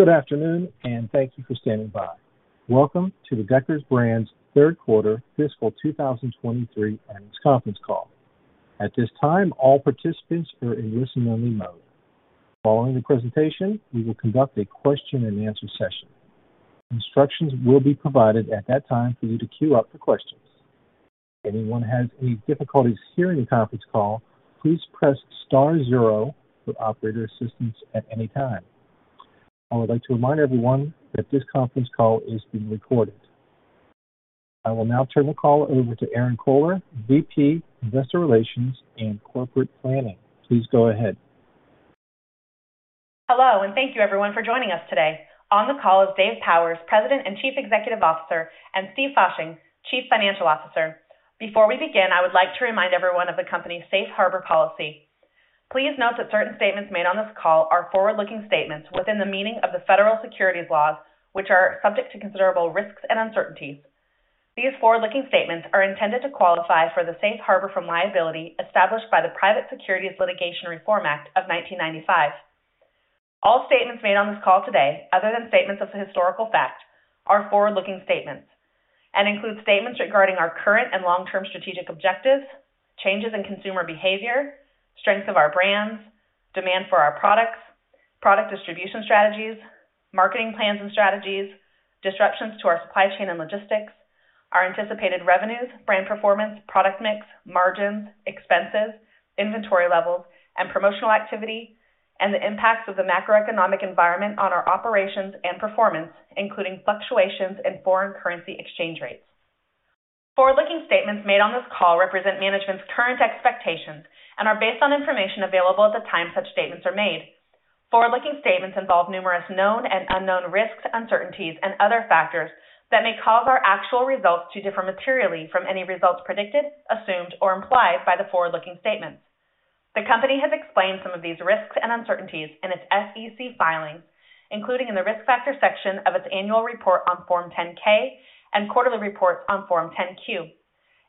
Good afternoon. Thank you for standing by. Welcome to the Deckers Brands Third Quarter Fiscal 2023 Earnings Conference Call. At this time, all participants are in listen-only mode. Following the presentation, we will conduct a question-and-answer session. Instructions will be provided at that time for you to queue up for questions. If anyone has any difficulties hearing the conference call, please press star zero for operator assistance at any time. I would like to remind everyone that this conference call is being recorded. I will now turn the call over to Erinn Kohler, VP, Investor Relations and Corporate Planning. Please go ahead. Hello, thank you everyone for joining us today. On the call is Dave Powers, President and Chief Executive Officer, and Steven Fasching, Chief Financial Officer. Before we begin, I would like to remind everyone of the company's safe harbor policy. Please note that certain statements made on this call are forward-looking statements within the meaning of the federal securities laws, which are subject to considerable risks and uncertainties. These forward-looking statements are intended to qualify for the safe harbor from liability established by the Private Securities Litigation Reform Act of 1995. All statements made on this call today, other than statements of historical fact, are forward-looking statements and include statements regarding our current and long-term strategic objectives, changes in consumer behavior, strength of our brands, demand for our products, product distribution strategies, marketing plans and strategies, disruptions to our supply chain and logistics, our anticipated revenues, brand performance, product mix, margins, expenses, inventory levels, and promotional activity, and the impacts of the macroeconomic environment on our operations and performance, including fluctuations in foreign currency exchange rates. Forward-looking statements made on this call represent management's current expectations and are based on information available at the time such statements are made. Forward-looking statements involve numerous known and unknown risks, uncertainties and other factors that may cause our actual results to differ materially from any results predicted, assumed, or implied by the forward-looking statements. The company has explained some of these risks and uncertainties in its SEC filings, including in the Risk Factors section of its annual report on Form 10-K and quarterly reports on Form 10-Q.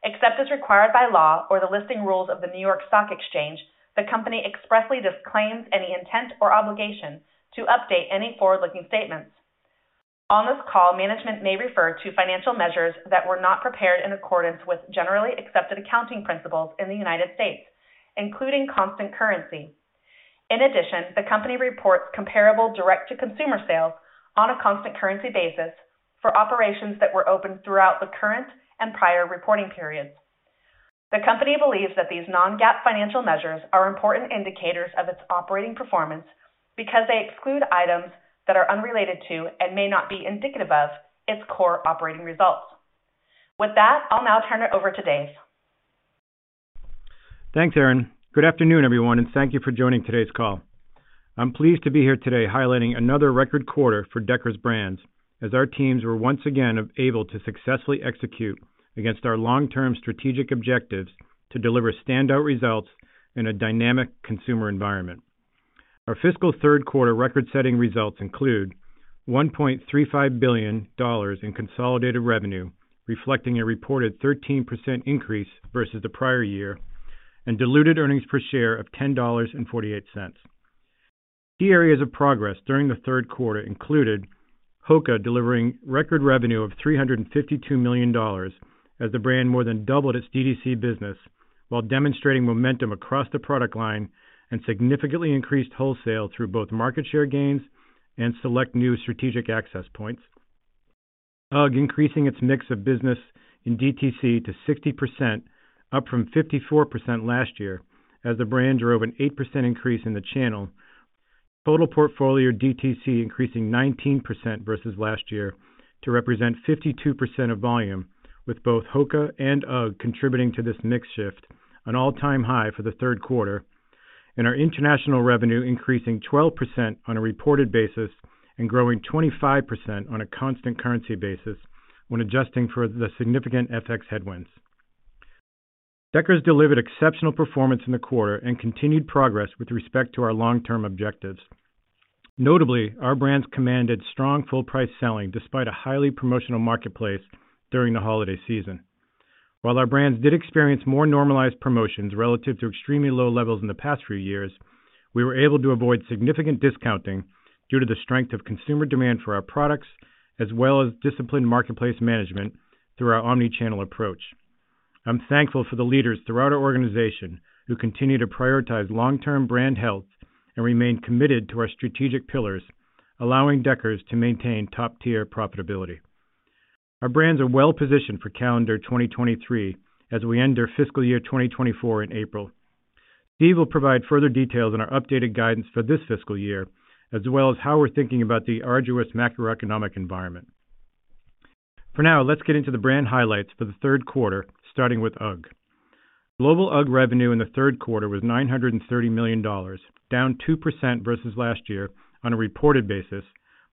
Except as required by law or the listing rules of the New York Stock Exchange, the company expressly disclaims any intent or obligation to update any forward-looking statements. On this call, management may refer to financial measures that were not prepared in accordance with generally accepted accounting principles in the United States, including constant currency. In addition, the company reports comparable direct-to-consumer sales on a constant currency basis for operations that were open throughout the current and prior reporting periods. The company believes that these non-GAAP financial measures are important indicators of its operating performance because they exclude items that are unrelated to, and may not be indicative of, its core operating results. With that, I'll now turn it over to Dave. Thanks, Erin. Good afternoon, everyone, and thank you for joining today's call. I'm pleased to be here today highlighting another record quarter for Deckers Brands as our teams were once again able to successfully execute against our long-term strategic objectives to deliver standout results in a dynamic consumer environment. Our fiscal third quarter record-setting results include $1.35 billion in consolidated revenue, reflecting a reported 13% increase versus the prior year, and diluted earnings per share of $10.48. Key areas of progress during the third quarter included HOKA delivering record revenue of $352 million as the brand more than doubled its D2C business while demonstrating momentum across the product line and significantly increased wholesale through both market share gains and select new strategic access points. UGG increasing its mix of business in DTC to 60%, up from 54 last year as the brand drove an 8% increase in the channel. Total portfolio DTC increasing 19% versus last year to represent 52% of volume, with both HOKA and UGG contributing to this mix shift, an all-time high for the third quarter. Our international revenue increasing 12% on a reported basis and growing 25% on a constant currency basis when adjusting for the significant FX headwinds. Deckers delivered exceptional performance in the quarter and continued progress with respect to our long-term objectives. Notably, our brands commanded strong full price selling despite a highly promotional marketplace during the holiday season. While our brands did experience more normalized promotions relative to extremely low levels in the past few years, we were able to avoid significant discounting due to the strength of consumer demand for our products, as well as disciplined marketplace management through our omni-channel approach. I'm thankful for the leaders throughout our organization who continue to prioritize long-term brand health and remain committed to our strategic pillars, allowing Deckers to maintain top-tier profitability. Our brands are well positioned for calendar 2023 as we end our fiscal year 2024 in April. Steve will provide further details on our updated guidance for this fiscal year, as well as how we're thinking about the arduous macroeconomic environment. For now, let's get into the brand highlights for the third quarter, starting with UGG. Global UGG revenue in the third quarter was $930 million, down 2% versus last year on a reported basis,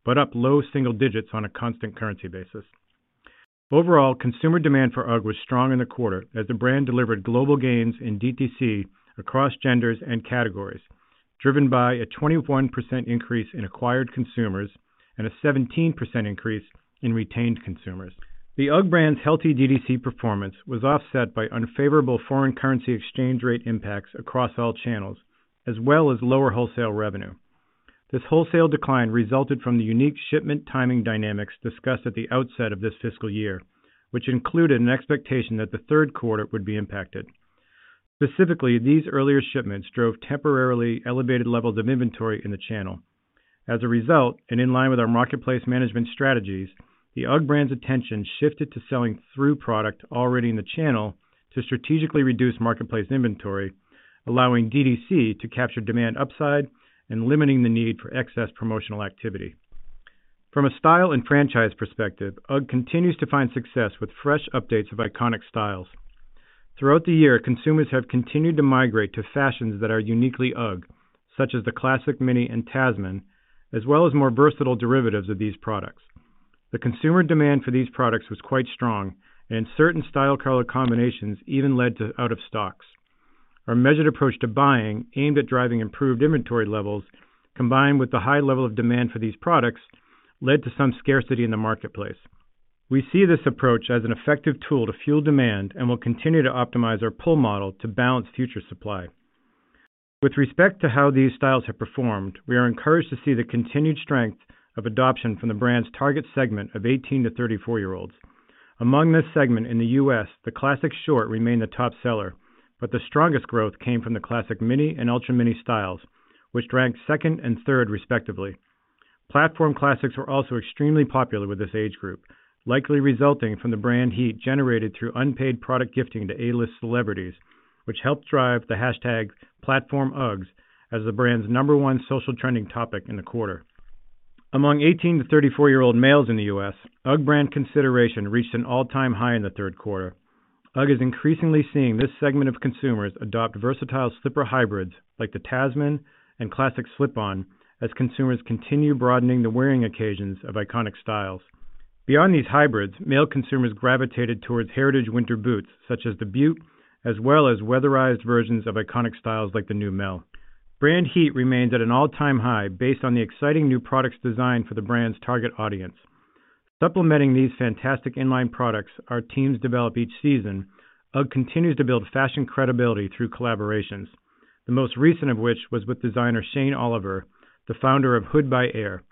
but up low single digits on a constant currency basis. Overall, consumer demand for UGG was strong in the quarter as the brand delivered global gains in DTC across genders and categories, driven by a 21% increase in acquired consumers and a 17% increase in retained consumers. The UGG brand's healthy DTC performance was offset by unfavorable foreign currency exchange rate impacts across all channels, as well as lower wholesale revenue. This wholesale decline resulted from the unique shipment timing dynamics discussed at the outset of this fiscal year, which included an expectation that the third quarter would be impacted. Specifically, these earlier shipments drove temporarily elevated levels of inventory in the channel. As a result, in line with our marketplace management strategies, the UGG brand's attention shifted to selling through product already in the channel to strategically reduce marketplace inventory, allowing DTC to capture demand upside and limiting the need for excess promotional activity. From a style and franchise perspective, UGG continues to find success with fresh updates of iconic styles. Throughout the year, consumers have continued to migrate to fashions that are uniquely UGG, such as the Classic Mini and Tasman, as well as more versatile derivatives of these products. The consumer demand for these products was quite strong, and certain style color combinations even led to out of stocks. Our measured approach to buying aimed at driving improved inventory levels combined with the high level of demand for these products led to some scarcity in the marketplace. We see this approach as an effective tool to fuel demand and will continue to optimize our pull model to balance future supply. With respect to how these styles have performed, we are encouraged to see the continued strength of adoption from the brand's target segment of 18-34-year-olds. Among this segment in the U.S. the Classic Short remained the top seller, but the strongest growth came from the Classic Mini and Ultra Mini styles, which ranked second and third respectively. Platform Classics were also extremely popular with this age group, likely resulting from the brand heat generated through unpaid product gifting to A-list celebrities, which helped drive the hashtag Platform UGG as the brand's number one social trending topic in the quarter. Among 18-34-year-old males in the U.S., UGG brand consideration reached an all-time high in the third quarter. UGG is increasingly seeing this segment of consumers adopt versatile slipper hybrids like the Tasman and Classic Slip-On as consumers continue broadening the wearing occasions of iconic styles. Beyond these hybrids, male consumers gravitated towards heritage winter boots such as the Butte, as well as weatherized versions of iconic styles like the Neumel. Brand heat remains at an all-time high based on the exciting new products designed for the brand's target audience. Supplementing these fantastic inline products our teams develop each season, UGG continues to build fashion credibility through collaborations, the most recent of which was with designer Shayne Oliver, the founder of Hood By Air.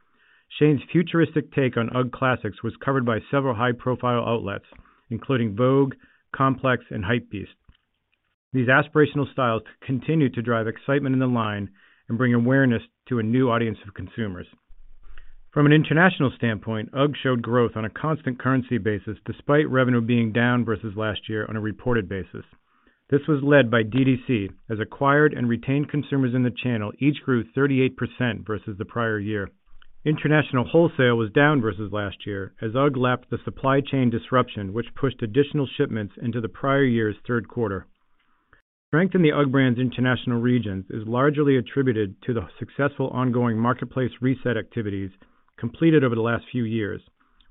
Shayne's futuristic take on UGG classics was covered by several high-profile outlets, including Vogue, Complex, and Hypebeast. These aspirational styles continue to drive excitement in the line and bring awareness to a new audience of consumers. From an international standpoint, UGG showed growth on a constant currency basis despite revenue being down versus last year on a reported basis. This was led by DTC as acquired and retained consumers in the channel each grew 38% versus the prior year. International wholesale was down versus last year as UGG lapped the supply chain disruption which pushed additional shipments into the prior year's third quarter. Strength in the UGG brand's international regions is largely attributed to the successful ongoing marketplace reset activities completed over the last few years,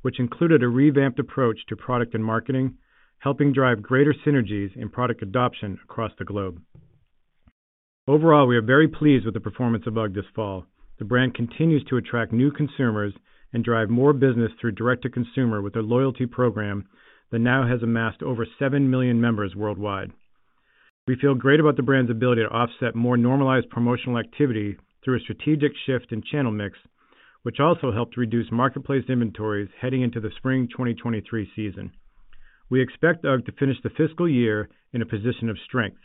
which included a revamped approach to product and marketing, helping drive greater synergies in product adoption across the globe. Overall, we are very pleased with the performance of UGG this fall. The brand continues to attract new consumers and drive more business through direct-to-consumer with a loyalty program that now has amassed over 7 million members worldwide. We feel great about the brand's ability to offset more normalized promotional activity through a strategic shift in channel mix, which also helped reduce marketplace inventories heading into the spring 2023 season. We expect UGG to finish the fiscal year in a position of strength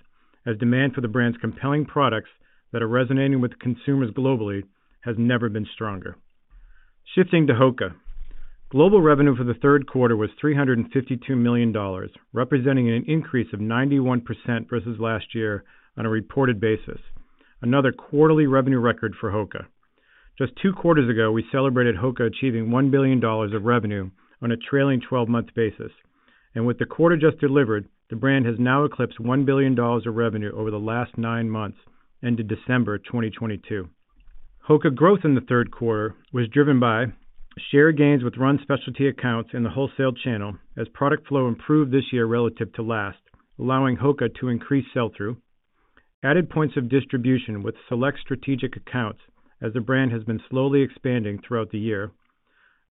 as demand for the brand's compelling products that are resonating with consumers globally has never been stronger. Shifting to HOKA. Global revenue for the third quarter was $352 million, representing an increase of 91% versus last year on a reported basis. Another quarterly revenue record for HOKA. Just two quarters ago, we celebrated HOKA achieving $1 billion of revenue on a trailing 12-month basis. With the quarter just delivered, the brand has now eclipsed $1 billion of revenue over the last nine months ended December 2022. HOKA growth in the third quarter was driven by share gains with run specialty accounts in the wholesale channel as product flow improved this year relative to last, allowing HOKA to increase sell-through. Added points of distribution with select strategic accounts as the brand has been slowly expanding throughout the year.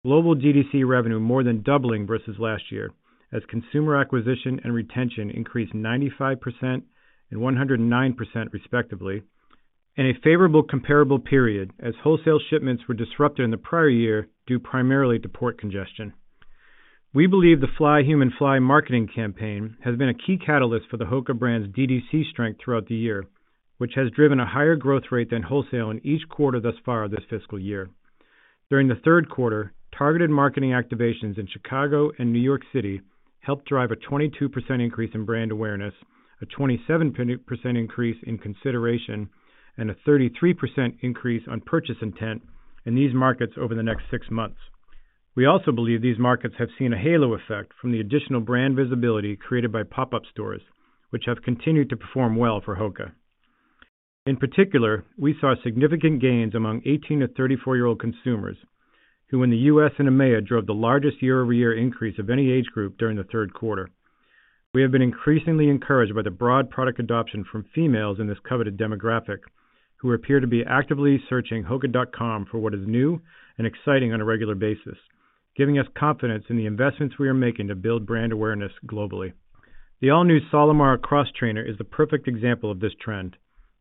Global DTC revenue more than doubling versus last year as consumer acquisition and retention increased 95% and 109% respectively. A favorable comparable period as wholesale shipments were disrupted in the prior year due primarily to port congestion. We believe the FLY HUMAN FLY marketing campaign has been a key catalyst for the HOKA brand's DTC strength throughout the year, which has driven a higher growth rate than wholesale in each quarter thus far this fiscal year. During the third quarter, targeted marketing activations in Chicago and New York City helped drive a 22% increase in brand awareness, a 27% increase in consideration, and a 33% increase on purchase intent in these markets over the next 6 months. We also believe these markets have seen a halo effect from the additional brand visibility created by pop-up stores, which have continued to perform well for HOKA. In particular, we saw significant gains among 18-34-year-old consumers, who in the US and EMEA drove the largest year-over-year increase of any age group during the third quarter. We have been increasingly encouraged by the broad product adoption from females in this coveted demographic who appear to be actively searching HOKA.com for what is new and exciting on a regular basis, giving us confidence in the investments we are making to build brand awareness globally. The all-new Solimar cross-trainer is the perfect example of this trend.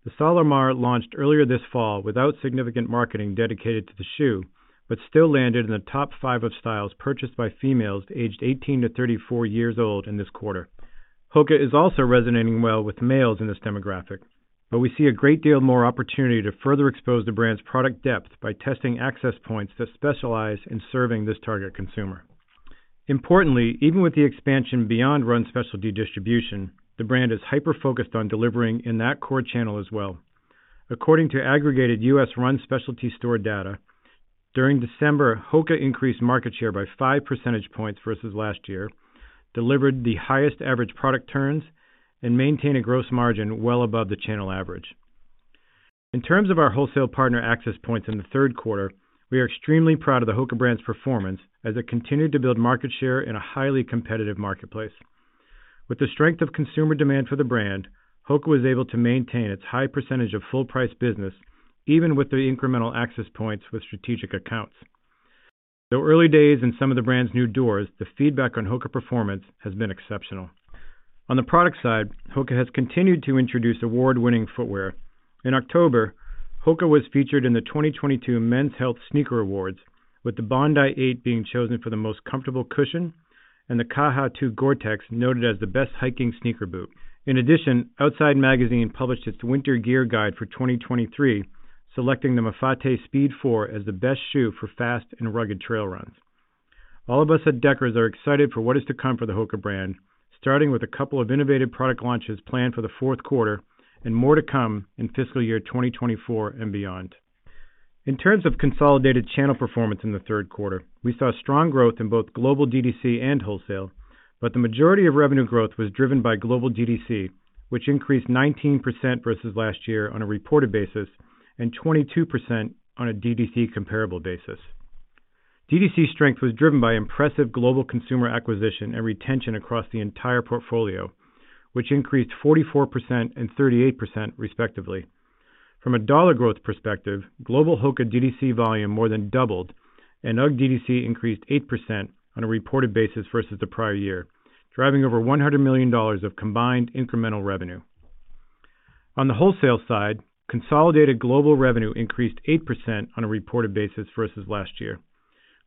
The Solimar launched earlier this fall without significant marketing dedicated to the shoe, but still landed in the top 5 of styles purchased by females aged 18-34 years old in this quarter. HOKA is also resonating well with males in this demographic, but we see a great deal more opportunity to further expose the brand's product depth by testing access points that specialize in serving this target consumer. Importantly, even with the expansion beyond run specialty distribution, the brand is hyper-focused on delivering in that core channel as well. According to aggregated U.S. run specialty store data, during December, HOKA increased market share by 5 percentage points versus last year, delivered the highest average product turns, and maintained a gross margin well above the channel average. In terms of our wholesale partner access points in the third quarter, we are extremely proud of the HOKA brand's performance as it continued to build market share in a highly competitive marketplace. With the strength of consumer demand for the brand, HOKA was able to maintain its high percentage of full-price business even with the incremental access points with strategic accounts. The early days in some of the brand's new doors, the feedback on HOKA performance has been exceptional. On the product side, HOKA has continued to introduce award-winning footwear. In October, HOKA was featured in the 2022 Men's Health Sneaker Awards, with the Bondi 8 being chosen for the most comfortable cushion and the Kaha 2 GORE-TEX noted as the best hiking sneaker boot. In addition, Outside Magazine published its winter gear guide for 2023, selecting the Mafate Speed 4 as the best shoe for fast and rugged trail runs. All of us at Deckers are excited for what is to come for the HOKA brand, starting with a couple of innovative product launches planned for the fourth quarter and more to come in fiscal year 2024 and beyond. In terms of consolidated channel performance in the third quarter, we saw strong growth in both global DTC and wholesale. The majority of revenue growth was driven by global DTC, which increased 19% versus last year on a reported basis and 22% on a DTC comparable basis. DTC strength was driven by impressive global consumer acquisition and retention across the entire portfolio, which increased 44% and 38% respectively. From a dollar growth perspective, global HOKA DTC volume more than doubled, and UGG DTC increased 8% on a reported basis versus the prior year, driving over $100 million of combined incremental revenue. On the wholesale side, consolidated global revenue increased 8% on a reported basis versus last year.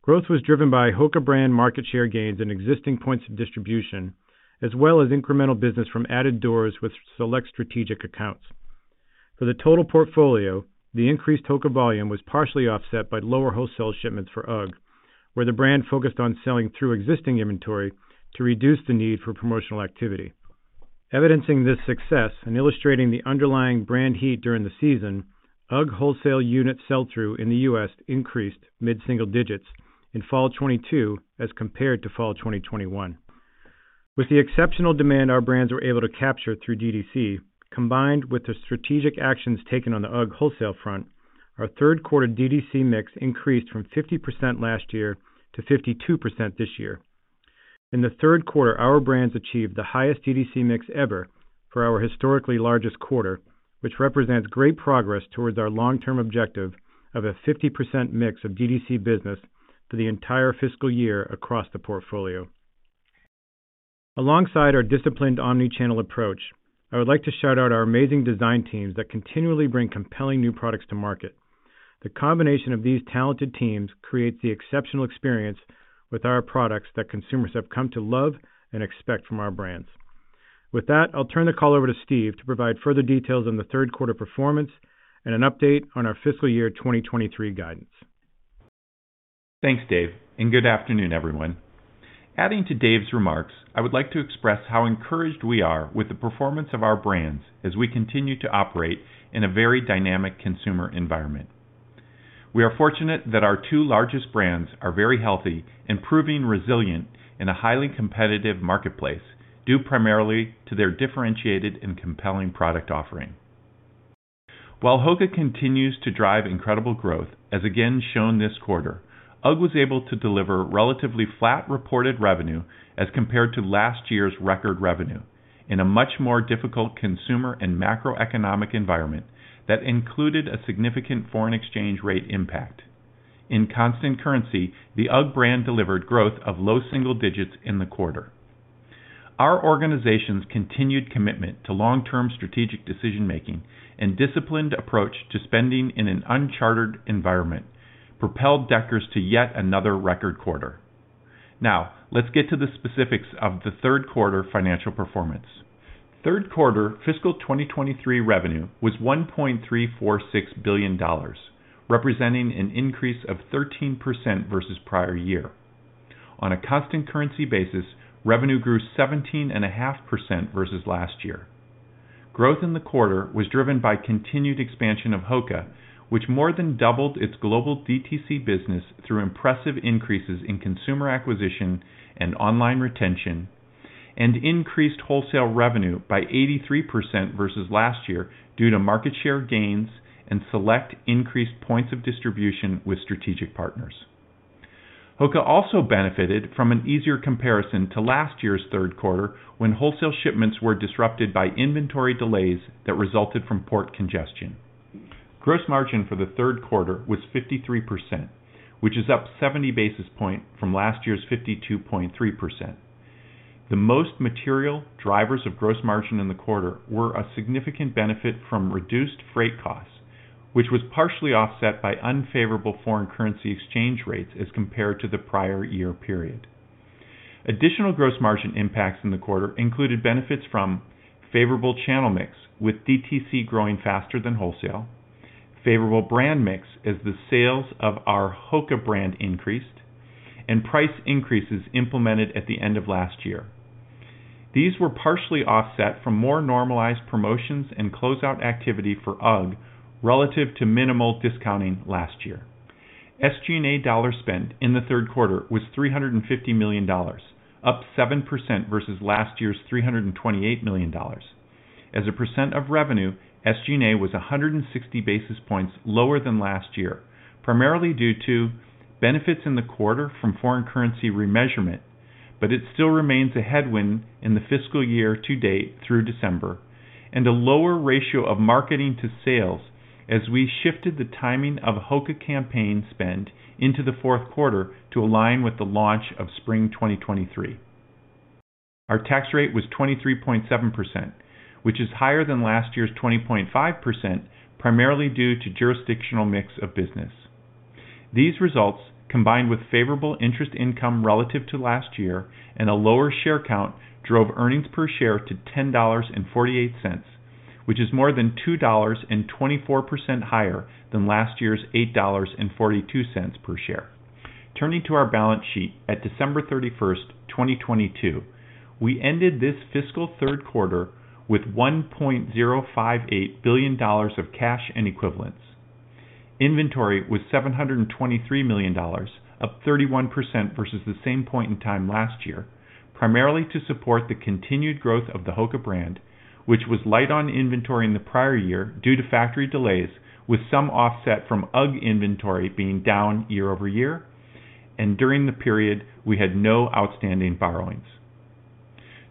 Growth was driven by HOKA brand market share gains in existing points of distribution, as well as incremental business from added doors with select strategic accounts. For the total portfolio, the increased HOKA volume was partially offset by lower wholesale shipments for UGG, where the brand focused on selling through existing inventory to reduce the need for promotional activity. Evidencing this success and illustrating the underlying brand heat during the season, UGG wholesale unit sell-through in the U.S. increased mid-single digits in fall 2022 as compared to fall 2021. With the exceptional demand our brands were able to capture through DTC, combined with the strategic actions taken on the UGG wholesale front, our third quarter DTC mix increased from 50% last year to 52% this year. In the third quarter, our brands achieved the highest DTC mix ever for our historically largest quarter, which represents great progress towards our long-term objective of a 50% mix of DTC business for the entire fiscal year across the portfolio. Alongside our disciplined omni-channel approach, I would like to shout out our amazing design teams that continually bring compelling new products to market. The combination of these talented teams creates the exceptional experience with our products that consumers have come to love and expect from our brands. With that, I'll turn the call over to Steve to provide further details on the third quarter performance and an update on our fiscal year 2023 guidance. Thanks, Dave, good afternoon, everyone. Adding to Dave's remarks, I would like to express how encouraged we are with the performance of our brands as we continue to operate in a very dynamic consumer environment. We are fortunate that our two largest brands are very healthy and proving resilient in a highly competitive marketplace due primarily to their differentiated and compelling product offering. While HOKA continues to drive incredible growth, as again shown this quarter, UGG was able to deliver relatively flat reported revenue as compared to last year's record revenue in a much more difficult consumer and macroeconomic environment that included a significant foreign exchange rate impact. In constant currency, the UGG brand delivered growth of low single digits in the quarter. Our organization's continued commitment to long-term strategic decision-making and disciplined approach to spending in an uncharted environment propelled Deckers to yet another record quarter. Let's get to the specifics of the third quarter financial performance. Third quarter fiscal 2023 revenue was $1.346 billion, representing an increase of 13% versus prior year. On a constant currency basis, revenue grew 17.5% versus last year. Growth in the quarter was driven by continued expansion of HOKA, which more than doubled its global DTC business through impressive increases in consumer acquisition and online retention, and increased wholesale revenue by 83% versus last year due to market share gains and select increased points of distribution with strategic partners. HOKA also benefited from an easier comparison to last year's third quarter when wholesale shipments were disrupted by inventory delays that resulted from port congestion. Gross margin for the third quarter was 53%, which is up 70 basis points from last year's 52.3%. The most material drivers of gross margin in the quarter were a significant benefit from reduced freight costs, which was partially offset by unfavorable foreign currency exchange rates as compared to the prior year period. Additional gross margin impacts in the quarter included benefits from favorable channel mix, with DTC growing faster than wholesale, favorable brand mix as the sales of our HOKA brand increased, and price increases implemented at the end of last year. These were partially offset from more normalized promotions and closeout activity for UGG relative to minimal discounting last year. SG&A dollar spend in the third quarter was $350 million, up 7% versus last year's $328 million. As a percent of revenue, SG&A was 160 basis points lower than last year, primarily due to benefits in the quarter from foreign currency remeasurement. It still remains a headwind in the fiscal year to date through December, and a lower ratio of marketing to sales as we shifted the timing of HOKA campaign spend into the fourth quarter to align with the launch of spring 2023. Our tax rate was 23.7%, which is higher than last year's 20.5% primarily due to jurisdictional mix of business. These results, combined with favorable interest income relative to last year and a lower share count, drove earnings per share to $10.48, which is more than $2 and 24% higher than last year's $8.42 per share. Turning to our balance sheet at December 31st, 2022, we ended this fiscal third quarter with $1.058 billion of cash and equivalents. Inventory was $723 million, up 31% versus the same point in time last year, primarily to support the continued growth of the HOKA brand, which was light on inventory in the prior year due to factory delays with some offset from UGG inventory being down year-over-year. During the period, we had no outstanding borrowings.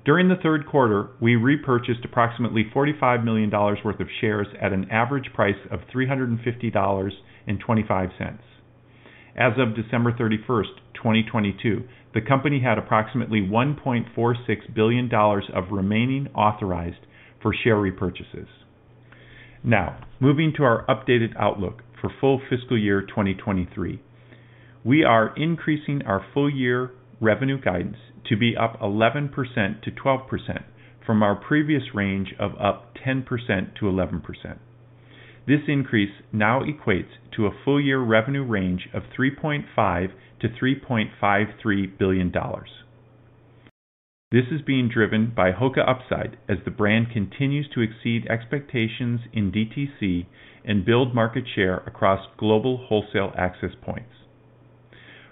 During the third quarter, we repurchased approximately $45 million worth of shares at an average price of $350.25. As of December 31st, 2022, the company had approximately $1.46 billion of remaining authorized for share repurchases. Moving to our updated outlook for full fiscal year 2023. We are increasing our full year revenue guidance to be up 11%-12% from our previous range of up 10%-11%. This increase now equates to a full year revenue range of $3.5 billion-$3.53 billion. This is being driven by HOKA upside as the brand continues to exceed expectations in DTC and build market share across global wholesale access points.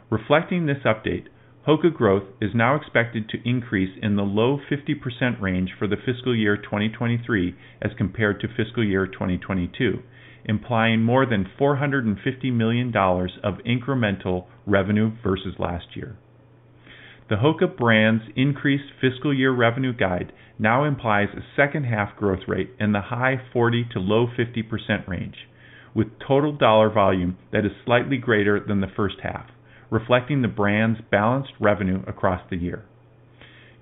Reflecting this update, HOKA growth is now expected to increase in the low 50% range for the fiscal year 2023 as compared to fiscal year 2022, implying more than $450 million of incremental revenue versus last year. The HOKA brand's increased fiscal year revenue guide now implies a second half growth rate in the high 40 to low 50% range with total dollar volume that is slightly greater than the first half, reflecting the brand's balanced revenue across the year.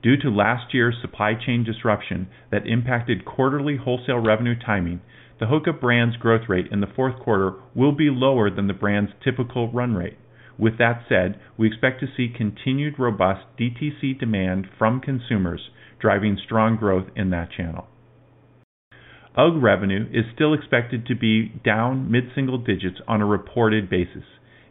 Due to last year's supply chain disruption that impacted quarterly wholesale revenue timing, the HOKA brand's growth rate in the fourth quarter will be lower than the brand's typical run rate. With that said, we expect to see continued robust DTC demand from consumers driving strong growth in that channel. UGG revenue is still expected to be down mid-single digits on a reported basis,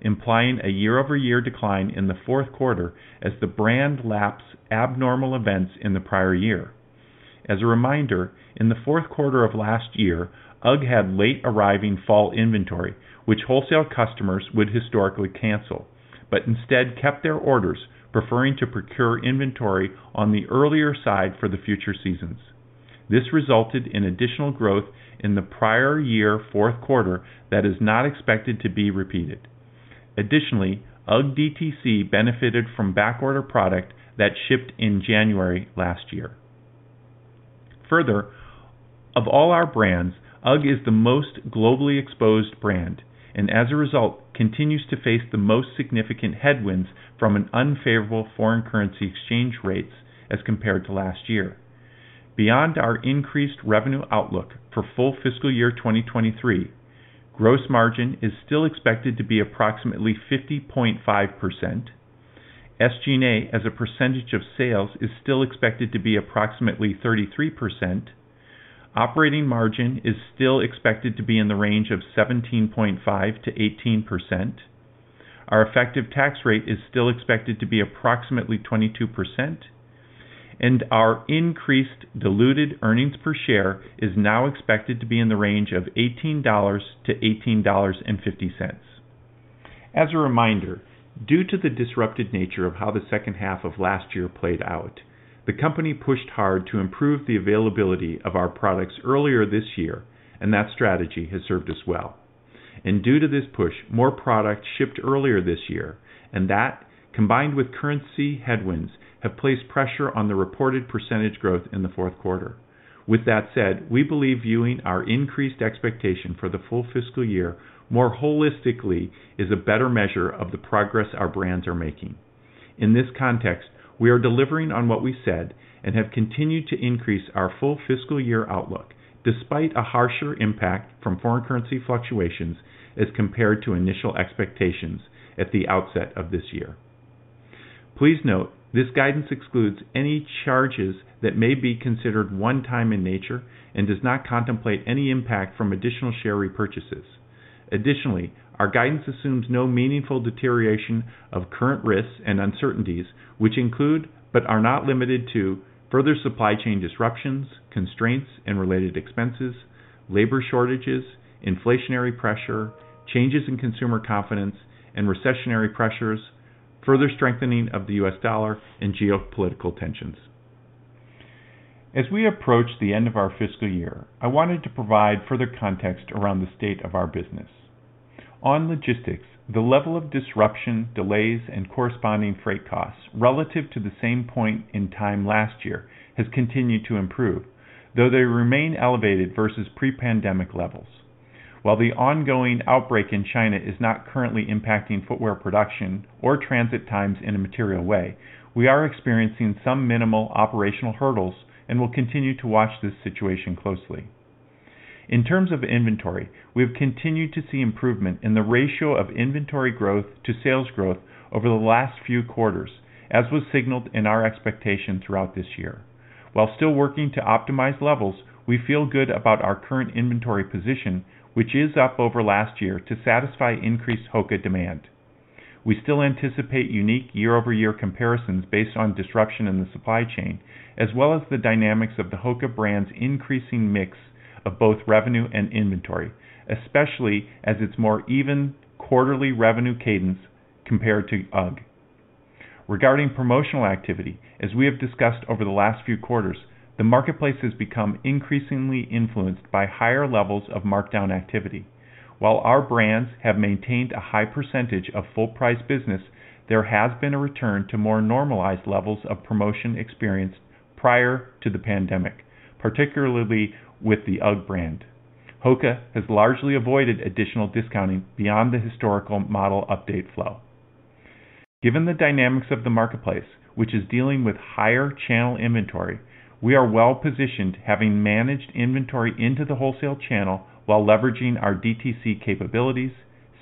implying a year-over-year decline in the fourth quarter as the brand laps abnormal events in the prior year. As a reminder, in the fourth quarter of last year, UGG had late arriving fall inventory, which wholesale customers would historically cancel, instead kept their orders preferring to procure inventory on the earlier side for the future seasons. This resulted in additional growth in the prior year fourth quarter that is not expected to be repeated. Additionally, UGG DTC benefited from backorder product that shipped in January last year. Further, of all our brands, UGG is the most globally exposed brand, as a result, continues to face the most significant headwinds from an unfavorable foreign currency exchange rates as compared to last year. Beyond our increased revenue outlook for full fiscal year 2023, gross margin is still expected to be approximately 50.5%. SG&A as a percentage of sales is still expected to be approximately 33%. Operating margin is still expected to be in the range of 17.5%-18%. Our effective tax rate is still expected to be approximately 22%, and our increased diluted earnings per share is now expected to be in the range of $18-$18.50. As a reminder, due to the disrupted nature of how the second half of last year played out, the company pushed hard to improve the availability of our products earlier this year, and that strategy has served us well. Due to this push, more product shipped earlier this year, that, combined with currency headwinds, have placed pressure on the reported percentage growth in the fourth quarter. That said, we believe viewing our increased expectation for the full fiscal year more holistically is a better measure of the progress our brands are making. In this context, we are delivering on what we said and have continued to increase our full fiscal year outlook despite a harsher impact from foreign currency fluctuations as compared to initial expectations at the outset of this year. Please note this guidance excludes any charges that may be considered one-time in nature and does not contemplate any impact from additional share repurchases. Additionally, our guidance assumes no meaningful deterioration of current risks and uncertainties, which include, but are not limited to, further supply chain disruptions, constraints and related expenses, labor shortages, inflationary pressure, changes in consumer confidence and recessionary pressures, further strengthening of the US dollar and geopolitical tensions. As we approach the end of our fiscal year, I wanted to provide further context around the state of our business. On logistics, the level of disruption, delays and corresponding freight costs relative to the same point in time last year has continued to improve, though they remain elevated versus pre-pandemic levels. While the ongoing outbreak in China is not currently impacting footwear production or transit times in a material way, we are experiencing some minimal operational hurdles and will continue to watch this situation closely. In terms of inventory, we have continued to see improvement in the ratio of inventory growth to sales growth over the last few quarters, as was signaled in our expectation throughout this year. While still working to optimize levels, we feel good about our current inventory position, which is up over last year to satisfy increased HOKA demand. We still anticipate unique year-over-year comparisons based on disruption in the supply chain, as well as the dynamics of the HOKA brand's increasing mix of both revenue and inventory, especially as its more even quarterly revenue cadence compared to UGG. Regarding promotional activity, as we have discussed over the last few quarters, the marketplace has become increasingly influenced by higher levels of markdown activity. While our brands have maintained a high percentage of full price business, there has been a return to more normalized levels of promotion experienced prior to the pandemic, particularly with the UGG brand. HOKA has largely avoided additional discounting beyond the historical model update flow. Given the dynamics of the marketplace, which is dealing with higher channel inventory, we are well positioned, having managed inventory into the wholesale channel while leveraging our DTC capabilities,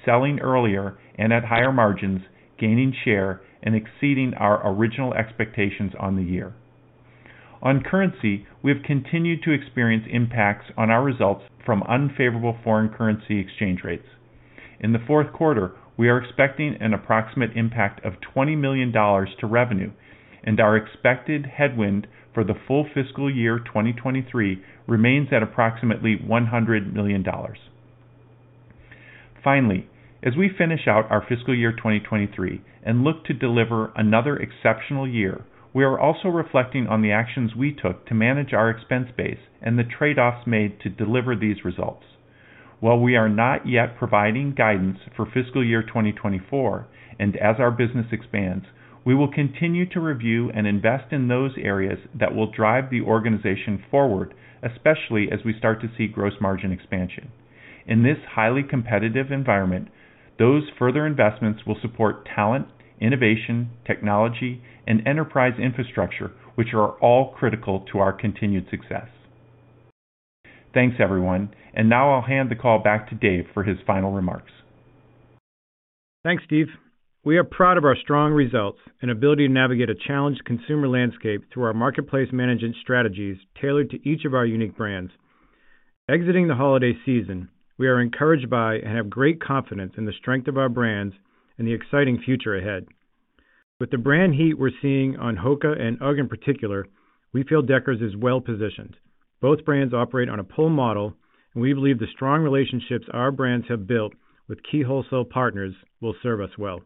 selling earlier and at higher margins, gaining share and exceeding our original expectations on the year. We have continued to experience impacts on our results from unfavorable foreign currency exchange rates. In the fourth quarter, we are expecting an approximate impact of $20 million to revenue, and our expected headwind for the full fiscal year 2023 remains at approximately $100 million. As we finish out our fiscal year 2023 and look to deliver another exceptional year, we are also reflecting on the actions we took to manage our expense base and the trade-offs made to deliver these results. While we are not yet providing guidance for fiscal year 2024, as our business expands, we will continue to review and invest in those areas that will drive the organization forward, especially as we start to see gross margin expansion. In this highly competitive environment, those further investments will support talent, innovation, technology and enterprise infrastructure, which are all critical to our continued success. Thanks, everyone. Now I'll hand the call back to Dave for his final remarks. Thanks, Steve. We are proud of our strong results and ability to navigate a challenged consumer landscape through our marketplace management strategies tailored to each of our unique brands. Exiting the holiday season, we are encouraged by and have great confidence in the strength of our brands and the exciting future ahead. With the brand heat we're seeing on HOKA and UGG in particular, we feel Deckers is well positioned. Both brands operate on a pull model, and we believe the strong relationships our brands have built with key wholesale partners will serve us well.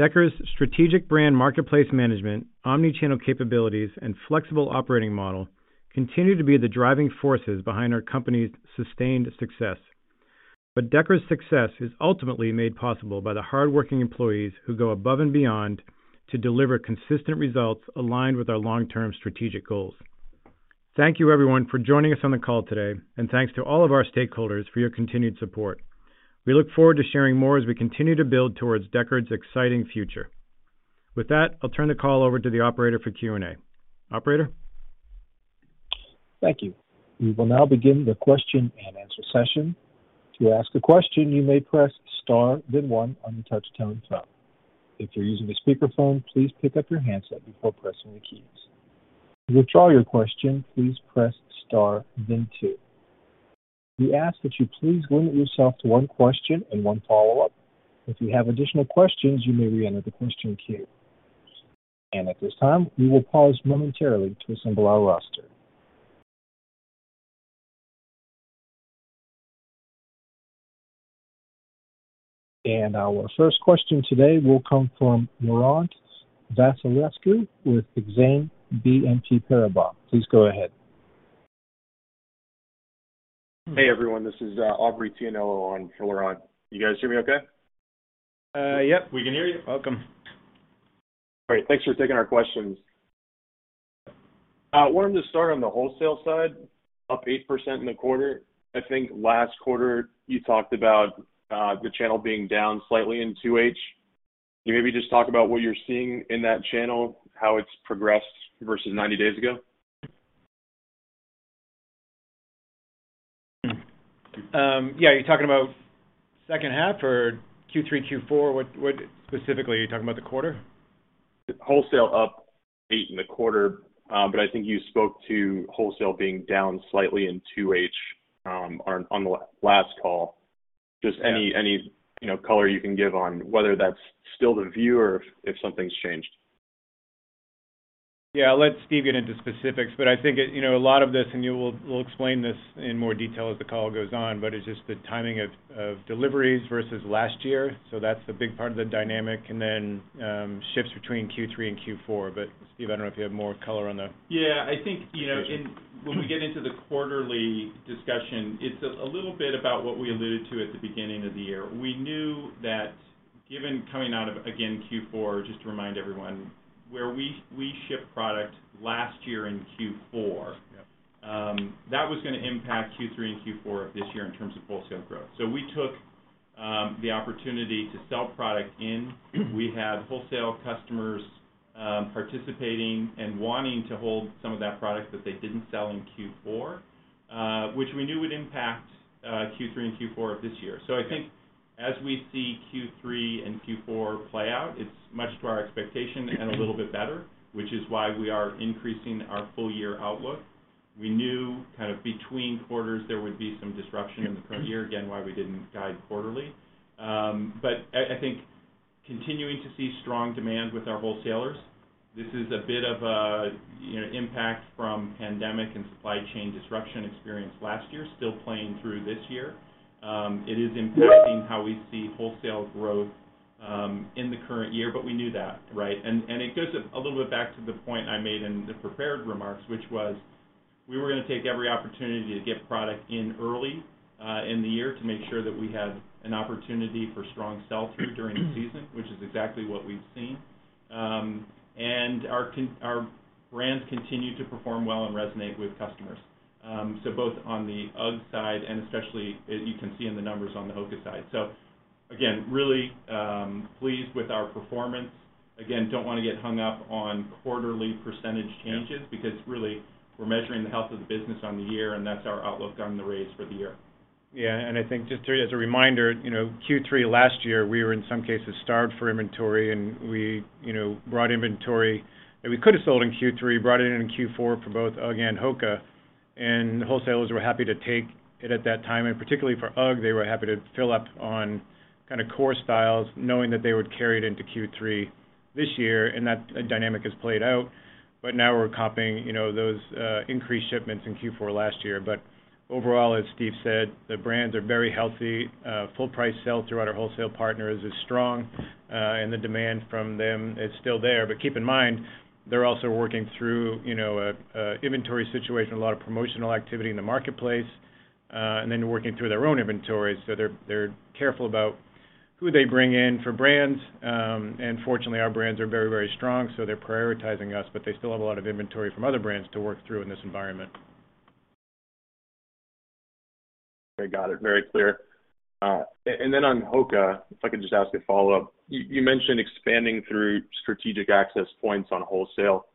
Deckers' strategic brand marketplace management, omni-channel capabilities, and flexible operating model continue to be the driving forces behind our company's sustained success. Deckers' success is ultimately made possible by the hardworking employees who go above and beyond to deliver consistent results aligned with our long-term strategic goals. Thank you, everyone, for joining us on the call today. Thanks to all of our stakeholders for your continued support. We look forward to sharing more as we continue to build towards Deckers' exciting future. With that, I'll turn the call over to the operator for Q&A. Operator? Thank you. We will now begin the question-and-answer session. To ask a question, you may press star then one on your touch-tone phone. If you're using a speakerphone, please pick up your handset before pressing the keys. To withdraw your question, please press star then two. We ask that you please limit yourself to one question and one follow-up. If you have additional questions, you may reenter the question queue. At this time, we will pause momentarily to assemble our roster. Our first question today will come from Laurent Vasilescu with Exane BNP Paribas. Please go ahead. Hey, everyone. This is Aubrey Tianello on for Laurent. You guys hear me okay? Yep. We can hear you. Welcome. Great. Thanks for taking our questions. Wanted to start on the wholesale side, up 8% in the quarter. I think last quarter you talked about, the channel being down slightly in 2H. Can you maybe just talk about what you're seeing in that channel, how it's progressed versus 90 days ago? Yeah. Are you talking about second half or Q3, Q4? What specifically? Are you talking about the quarter? Wholesale up eight in the quarter. I think you spoke to wholesale being down slightly in 2H on the last call. Any color you can give on whether that's still the view or if something's changed? Yeah. I'll let Steve get into specifics, but I think a lot of this, and we'll explain this in more detail as the call goes on, but it's just the timing of deliveries versus last year, so that's the big part of the dynamic. Shifts between Q3 and Q4. Steve, I don't know if you have more color on. Yeah. I think when we get into the quarterly discussion, it's a little bit about what we alluded to at the beginning of the year. We knew that given coming out of, again, Q4, just to remind everyone, where we shipped product last year in Q4. Yeah. That was gonna impact Q3 and Q4 of this year in terms of wholesale growth. We took the opportunity to sell product in. We had wholesale customers participating and wanting to hold some of that product that they didn't sell in Q4, which we knew would impact Q3 and Q4 of this year. I think as we see Q3 and Q4 play out, it's much to our expectation and a little bit better, which is why we are increasing our full year outlook. We knew kind of between quarters there would be some disruption in the current year, again, why we didn't guide quarterly. I think continuing to see strong demand with our wholesalers, this is a bit of an impact from pandemic and supply chain disruption experienced last year still playing through this year. It is impacting how we see wholesale growth in the current year, but we knew that, right? It goes a little bit back to the point I made in the prepared remarks, which was we were gonna take every opportunity to get product in early in the year to make sure that we had an opportunity for strong sell-through during the season, which is exactly what we've seen. Our brands continue to perform well and resonate with customers. Both on the UGG side and especially, as you can see in the numbers, on the HOKA side. Again, really, pleased with our performance. Again, don't wanna get hung up on quarterly % changes... Yeah. Really we're measuring the health of the business on the year, and that's our outlook on the raise for the year. I think just as a reminder Q3 last year we were in some cases starved for inventory and we brought inventory that we could have sold in Q3, brought it in in Q4 for both UGG and HOKA, and wholesalers were happy to take it at that time. Particularly for UGG, they were happy to fill up on kind of core styles knowing that they would carry it into Q3 this year, and that dynamic has played out. Now we're comping those increased shipments in Q4 last year. Overall, as Steve said, the brands are very healthy. Full price sell-through at our wholesale partners is strong, and the demand from them is still there. Keep in mind, they're also working through an inventory situation, a lot of promotional activity in the marketplace, and then working through their own inventory. They're careful about who they bring in for brands. Fortunately, our brands are very strong, so they're prioritizing us, but they still have a lot of inventory from other brands to work through in this environment. I got it. Very clear. And then on HOKA, if I could just ask a follow-up. You mentioned expanding through strategic access points on wholesale.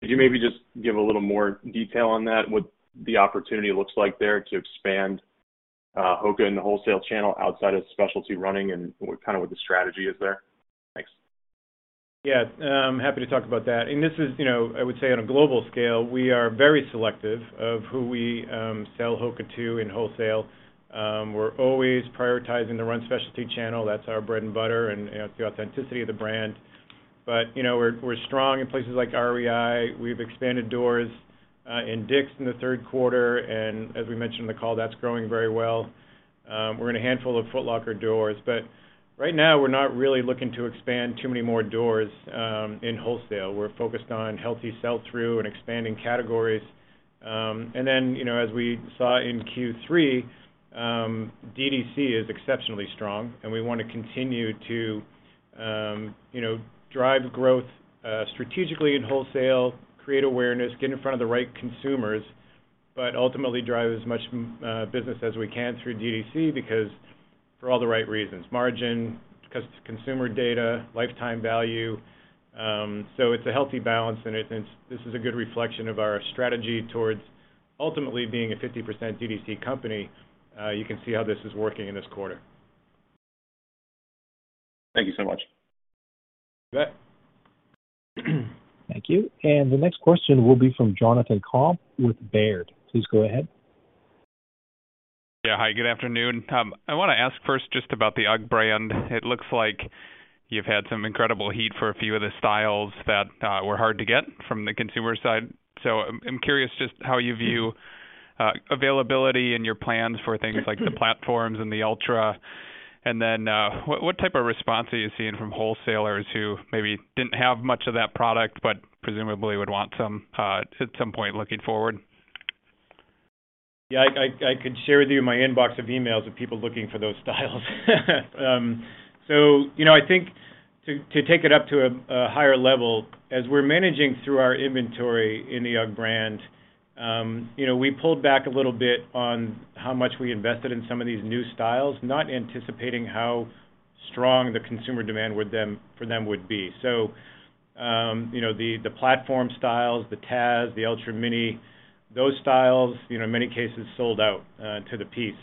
Could you maybe just give a little more detail on that and what the opportunity looks like there to expand HOKA in the wholesale channel outside of specialty running and kind of what the strategy is there? Thanks. Yeah. I'm happy to talk about that. I would say on a global scale, we are very selective of who we sell HOKA to in wholesale. We're always prioritizing the run specialty channel. That's our bread and butter and the authenticity of the brand. We're strong in places like REI. We've expanded doors in the third quarter, and as we mentioned in the call, that's growing very well. We're in a handful of Foot Locker doors. Right now we're not really looking to expand too many more doors in wholesale. We're focused on healthy sell-through and expanding categories. As we saw in Q3, DTC is exceptionally strong and we want to continue to drive growth strategically in wholesale, create awareness, get in front of the right consumers, but ultimately drive as much business as we can through DTC because for all the right reasons: margin, consumer data, lifetime value. It's a healthy balance, and this is a good reflection of our strategy towards ultimately being a 50% DTC company. You can see how this is working in this quarter. Thank you so much. Great. Thank you. The next question will be from Jonathan Komp with Baird. Please go ahead. Yeah. Hi, good afternoon. I wanna ask first just about the UGG brand. It looks like you've had some incredible heat for a few of the styles that were hard to get from the consumer side. I'm curious just how you view availability in your plans for things like the platforms and the Ultra. What type of response are you seeing from wholesalers who maybe didn't have much of that product, but presumably would want some at some point looking forward? Yeah. I could share with you my inbox of emails of people looking for those styles. I think to take it up to a higher level, as we're managing through our inventory in the UGG brand we pulled back a little bit on how much we invested in some of these new styles, not anticipating how strong the consumer demand for them would be. The platform styles, the Tazz, the Ultra Mini, those styles in many cases sold out to the piece.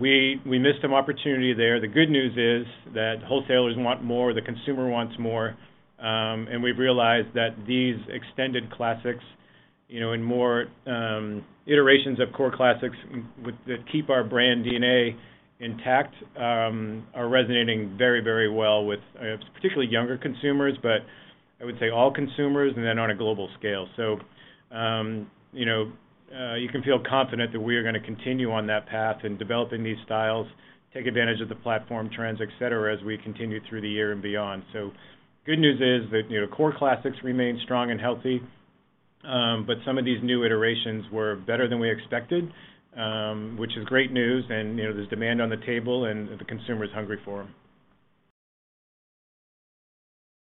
We missed some opportunity there. The good news is that wholesalers want more, the consumer wants more, and we've realized that these extended classics and more, iterations of core classics that keep our brand DNA intact, are resonating very, very well with particularly younger consumers, but I would say all consumers, and then on a global scale. You can feel confident that we are gonna continue on that path in developing these styles, take advantage of the platform trends, et cetera, as we continue through the year and beyond. Good news is that core classics remain strong and healthy, but some of these new iterations were better than we expected, which is great news. There's demand on the table, and the consumer is hungry for them.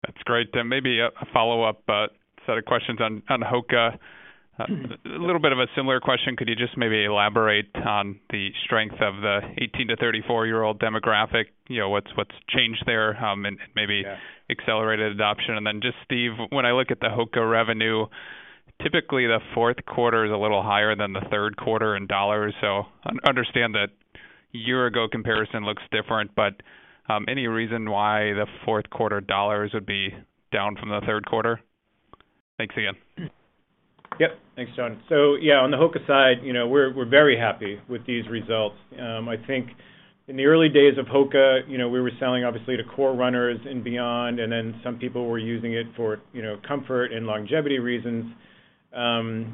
That's great. Maybe a follow-up set of questions on HOKA. A little bit of a similar question. Could you just maybe elaborate on the strength of the 18-34 year-old demographic? What's changed there? Yeah accelerated adoption? Then just, Steve, when I look at the HOKA revenue, typically, the fourth quarter is a little higher than the third quarter in dollars. Understand that year-ago comparison looks different, but, any reason why the fourth quarter dollars would be down from the third quarter? Thanks again. Yep. Thanks, John. Yeah, on the HOKA side, we're very happy with these results. I think in the early days of HOKA we were selling obviously to core runners and beyond, and then some people were using it for comfort and longevity reasons. And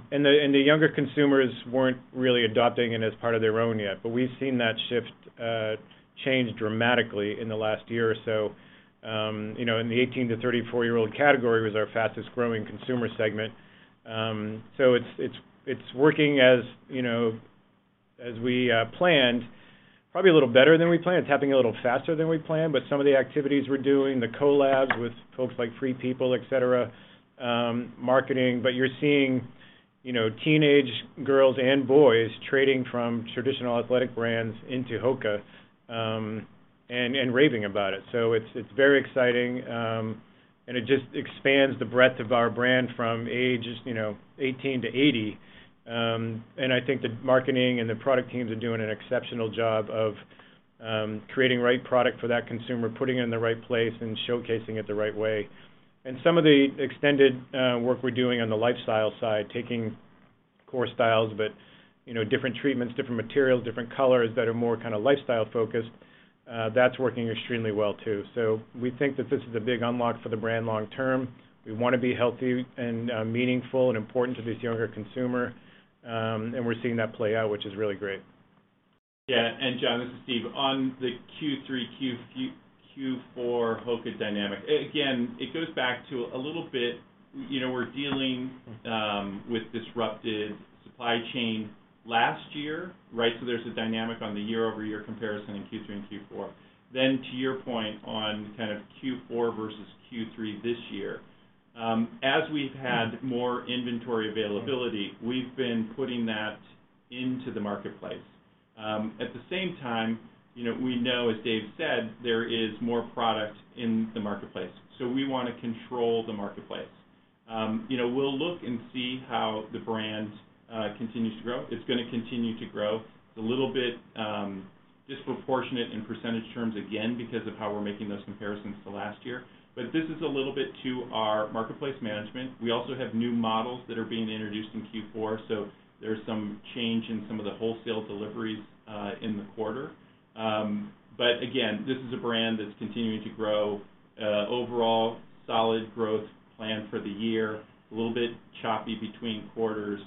the younger consumers weren't really adopting it as part of their own yet. We've seen that shift change dramatically in the last year or so. And the 18-34-year-old category was our fastest-growing consumer segment. It's working as we planned, probably a little better than we planned. It's happening a little faster than we planned. Some of the activities we're doing, the collabs with folks like Free People, et cetera, marketing. You're seeing teenage girls and boys trading from traditional athletic brands into HOKA, and raving about it. It's very exciting, and it just expands the breadth of our brand from ages 18-80. I think the marketing and the product teams are doing an exceptional job of creating the right product for that consumer, putting it in the right place, and showcasing it the right way. Some of the extended work we're doing on the lifestyle side, taking core styles but different treatments, different materials, different colors that are more kinda lifestyle-focused, that's working extremely well too. We think that this is a big unlock for the brand long term. We wanna be healthy and meaningful and important to this younger consumer. We're seeing that play out, which is really great. Yeah. John, this is Steve. On the Q3, Q4 HOKA dynamic, again, it goes back to a little bit we're dealing with disrupted supply chain last year, right? There's a dynamic on the year-over-year comparison in Q3 and Q4. To your point on kind of Q4 versus Q3 this year, as we've had more inventory availability, we've been putting that into the marketplace. At the same time we know, as Dave said, there is more product in the marketplace, so we wanna control the marketplace. We'll look and see how the brand continues to grow. It's gonna continue to grow. It's a little bit disproportionate in percentage terms, again, because of how we're making those comparisons to last year. This is a little bit to our marketplace management. We also have new models that are being introduced in Q4, so there's some change in some of the wholesale deliveries in the quarter. Again, this is a brand that's continuing to grow. Overall solid growth plan for the year, a little bit choppy between quarters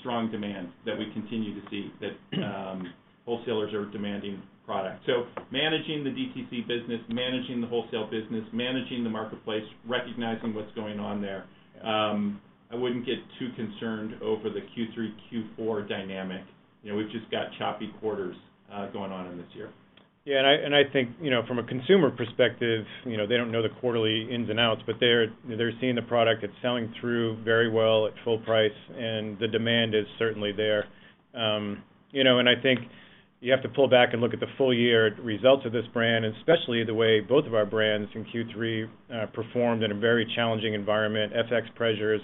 strong demand that we continue to see that wholesalers are demanding product. Managing the DTC business, managing the wholesale business, managing the marketplace, recognizing what's going on there, I wouldn't get too concerned over the Q3, Q4 dynamic. We've just got choppy quarters going on in this year. Yeah. I think from a consumer perspective they don't know the quarterly ins and outs, but they're seeing the product. It's selling through very well at full price, and the demand is certainly there. I think you have to pull back and look at the full-year results of this brand, especially the way both of our brands in Q3 performed in a very challenging environment, FX pressures,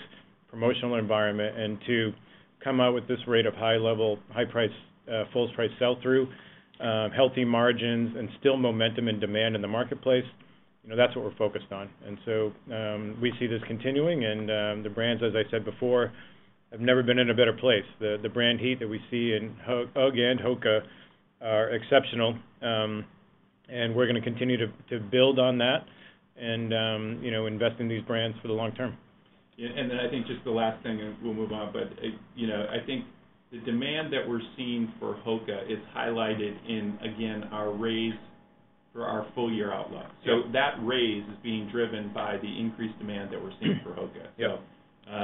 promotional environment. To come out with this rate of high level, high price, full price sell-through, healthy margins and still momentum and demand in the marketplace that's what we're focused on. We see this continuing and the brands, as I said before, I've never been in a better place. The brand heat that we see in UGG and HOKA are exceptional. We're gonna continue to build on that and invest in these brands for the long term. Yeah. Then I think just the last thing and we'll move on, but I think the demand that we're seeing for HOKA is highlighted in, again, our raise for our full year outlook. Yeah. That raise is being driven by the increased demand that we're seeing for HOKA. Yeah.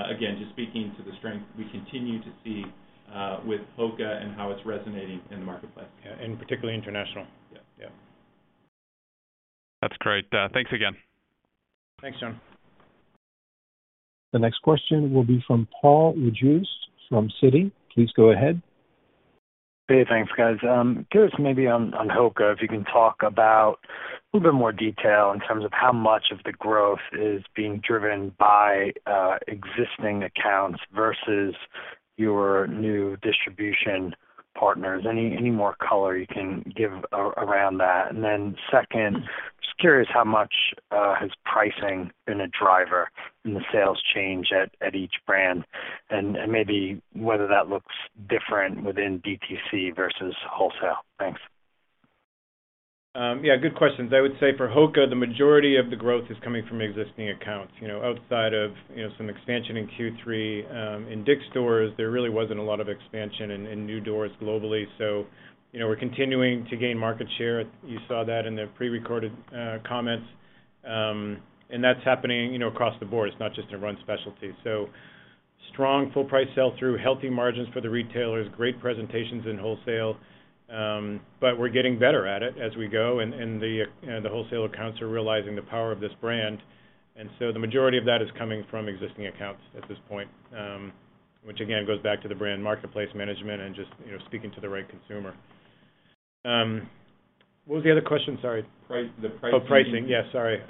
Again, just speaking to the strength we continue to see, with HOKA and how it's resonating in the marketplace. Yeah, particularly international. Yeah. Yeah. That's great. Thanks again. Thanks, John. The next question will be from Paul Lejuez from Citi. Please go ahead. Hey, thanks, guys. Curious maybe on HOKA, if you can talk about a little bit more detail in terms of how much of the growth is being driven by existing accounts versus your new distribution partners? Any more color you can give around that? Second, just curious how much has pricing been a driver in the sales change at each brand, and maybe whether that looks different within DTC versus wholesale? Thanks. Yeah, good questions. I would say for HOKA, the majority of the growth is coming from existing accounts. Outside of some expansion in Q3, in stores, there really wasn't a lot of expansion in new doors globally. We're continuing to gain market share. You saw that in the pre-recorded comments. That's happening across the board. It's not just in run specialty. Strong full price sell-through, healthy margins for the retailers, great presentations in wholesale, but we're getting better at it as we go. The wholesale accounts are realizing the power of this brand. The majority of that is coming from existing accounts at this point, which again, goes back to the brand marketplace management and just speaking to the right consumer. What was the other question? Sorry. Price. The pricing. Oh, pricing. Yeah, sorry.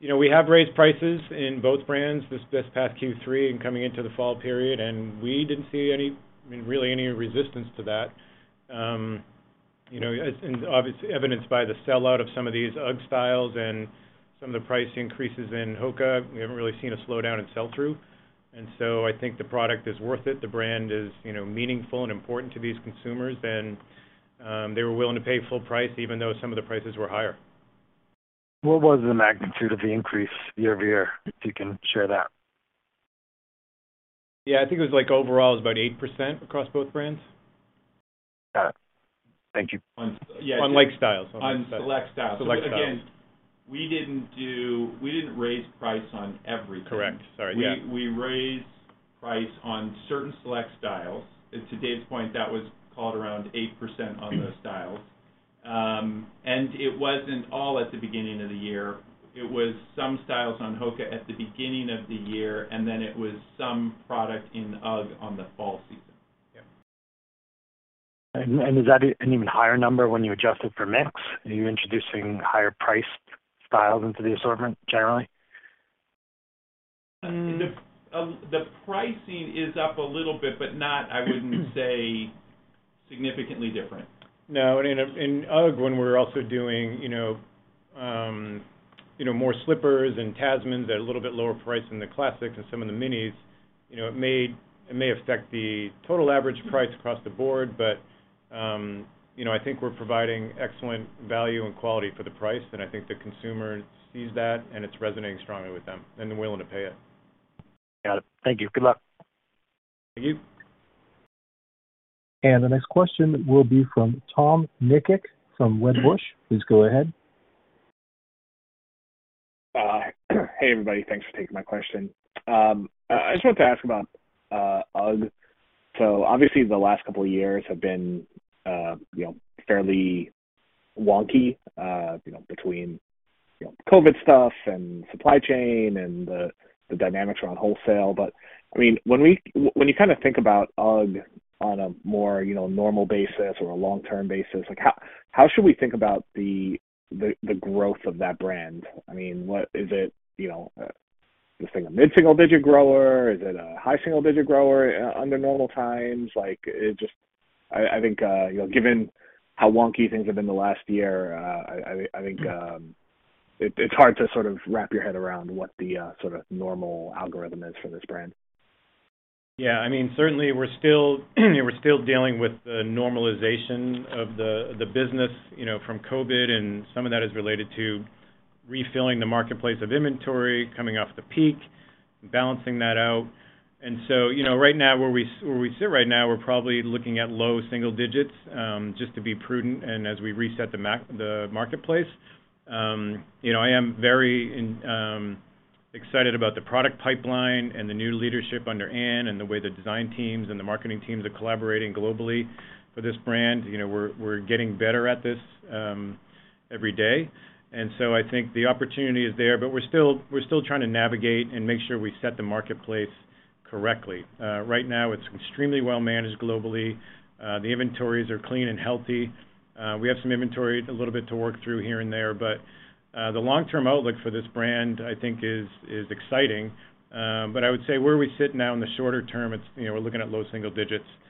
We have raised prices in both brands this past Q3 and coming into the fall period. We didn't see any, I mean, really any resistance to that. Evidenced by the sellout of some of these UGG styles and some of the price increases in HOKA, we haven't really seen a slowdown in sell-through. I think the product is worth it. The brand is meaningful and important to these consumers. They were willing to pay full price even though some of the prices were higher. What was the magnitude of the increase year-over-year, if you can share that? Yeah. I think it was like overall it was about 8% across both brands. Got it. Thank you. On like styles. On select styles. Select styles. Again, we didn't raise price on everything. Correct. Sorry, yeah. We raised price on certain select styles. To Dave's point, that was called around 8% on those styles. It wasn't all at the beginning of the year. It was some styles on HOKA at the beginning of the year. It was some product in UGG on the fall season. Is that an even higher number when you adjust it for mix? Are you introducing higher priced styles into the assortment generally? The pricing is up a little bit, but not, I wouldn't say significantly different. No. In UGG, when we're also doing more slippers and Tasmans at a little bit lower price than the Classics and some of the minis it may affect the total average price across the board, but I think we're providing excellent value and quality for the price, and I think the consumer sees that, and it's resonating strongly with them, and they're willing to pay it. Got it. Thank you. Good luck. Thank you. The next question will be from Tom Nikic from Wedbush. Please go ahead. Hey, everybody. Thanks for taking my question. I just wanted to ask about UGG. Obviously the last couple of years have been, you know, fairly wonky, you know, between, you know, COVID stuff and supply chain and the dynamics around wholesale. I mean, when you kind of think about UGG on a more, you know, normal basis or a long-term basis, like how should we think about the growth of that brand? I mean, what is it? You know, this thing a mid-single digit grower? Is it a high single digit grower under normal times? I think, you know, given how wonky things have been the last year, I think it's hard to sort of wrap your head around what the sort of normal algorithm is for this brand. Yeah. Certainly we're still dealing with the normalization of the business, you know, from COVID, some of that is related to refilling the marketplace of inventory coming off the peak and balancing that out. So, you know, right now, where we sit right now, we're probably looking at low single digits, just to be prudent as we reset the marketplace. You know, I am very excited about the product pipeline and the new leadership under Anne and the way the design teams and the marketing teams are collaborating globally for this brand. You know, we're getting better at this every day, so I think the opportunity is there. We're still trying to navigate and make sure we set the marketplace correctly. Right now it's extremely well managed globally. The inventories are clean and healthy. We have some inventory a little bit to work through here and there, the long-term outlook for this brand, I think, is exciting. I would say where we sit now in the shorter term, it's, you know, we're looking at low single digits%.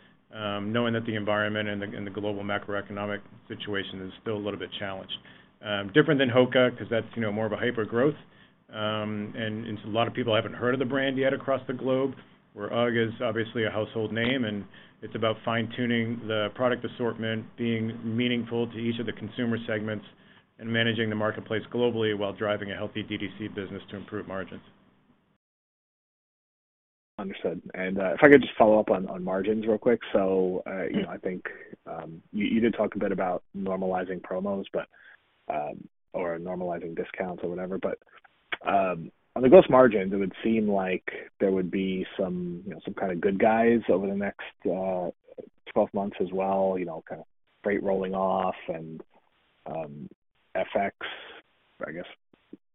Knowing that the environment and the global macroeconomic situation is still a little bit challenged. Different than HOKA because that's, you know, more of a hypergrowth. It's a lot of people haven't heard of the brand yet across the globe. UGG is obviously a household name, and it's about fine-tuning the product assortment, being meaningful to each of the consumer segments, and managing the marketplace globally while driving a healthy D2C business to improve margins. Understood. If I could just follow up on margins real quick. You know, I think you did talk a bit about normalizing promos, or normalizing discounts or whatever. On the gross margins, it would seem like there would be some, you know, some kind of good guys over the next 12 months as well, you know, kind of freight rolling off and FX, I guess,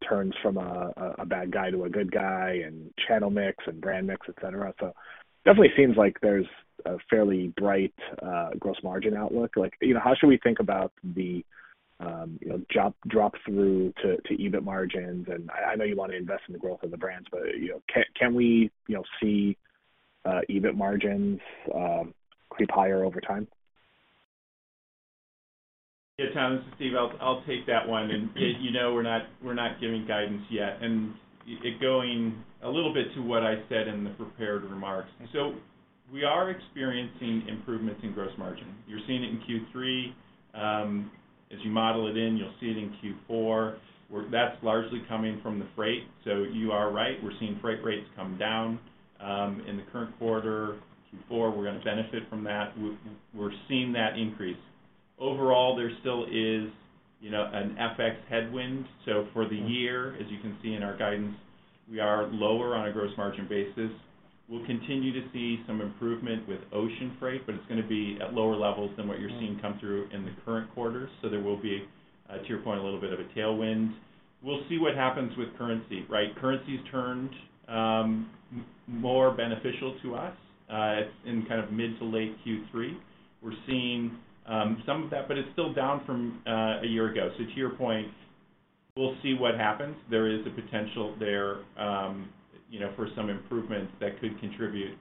turns from a bad guy to a good guy and channel mix and brand mix, et cetera. Definitely seems like there's a fairly bright gross margin outlook. Like, you know, how should we think about the, you know, drop through to EBIT margins? I know you want to invest in the growth of the brands, but, you know, can we, you know, see EBIT margins creep higher over time? Tom, this is Steve. I'll take that one. You know we're not giving guidance yet. It going a little bit to what I said in the prepared remarks. We are experiencing improvements in gross margin. You're seeing it in Q3. As you model it in, you'll see it in Q4, where that's largely coming from the freight. You are right, we're seeing freight rates come down in the current quarter. Q4, we're gonna benefit from that. We're seeing that increase. Overall, there still is, you know, an FX headwind. For the year, as you can see in our guidance, we are lower on a gross margin basis. We'll continue to see some improvement with ocean freight, it's gonna be at lower levels than what you're seeing come through in the current quarter. There will be a tier point, a little bit of a tailwind. We'll see what happens with currency, right? Currency's turned more beneficial to us in kind of mid to late Q3. We're seeing some of that, but it's still down from a year ago. To your point, we'll see what happens. There is a potential there, you know, for some improvements that could contribute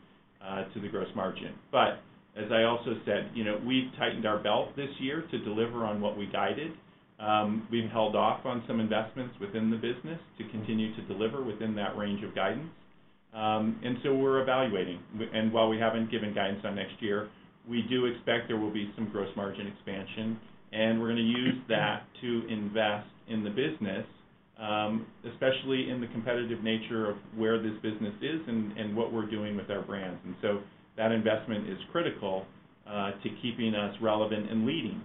to the gross margin. As I also said, you know, we've tightened our belt this year to deliver on what we guided. We've held off on some investments within the business to continue to deliver within that range of guidance. We're evaluating. While we haven't given guidance on next year, we do expect there will be some gross margin expansion, and we're gonna use that to invest in the business, especially in the competitive nature of where this business is and what we're doing with our brands. That investment is critical to keeping us relevant and leading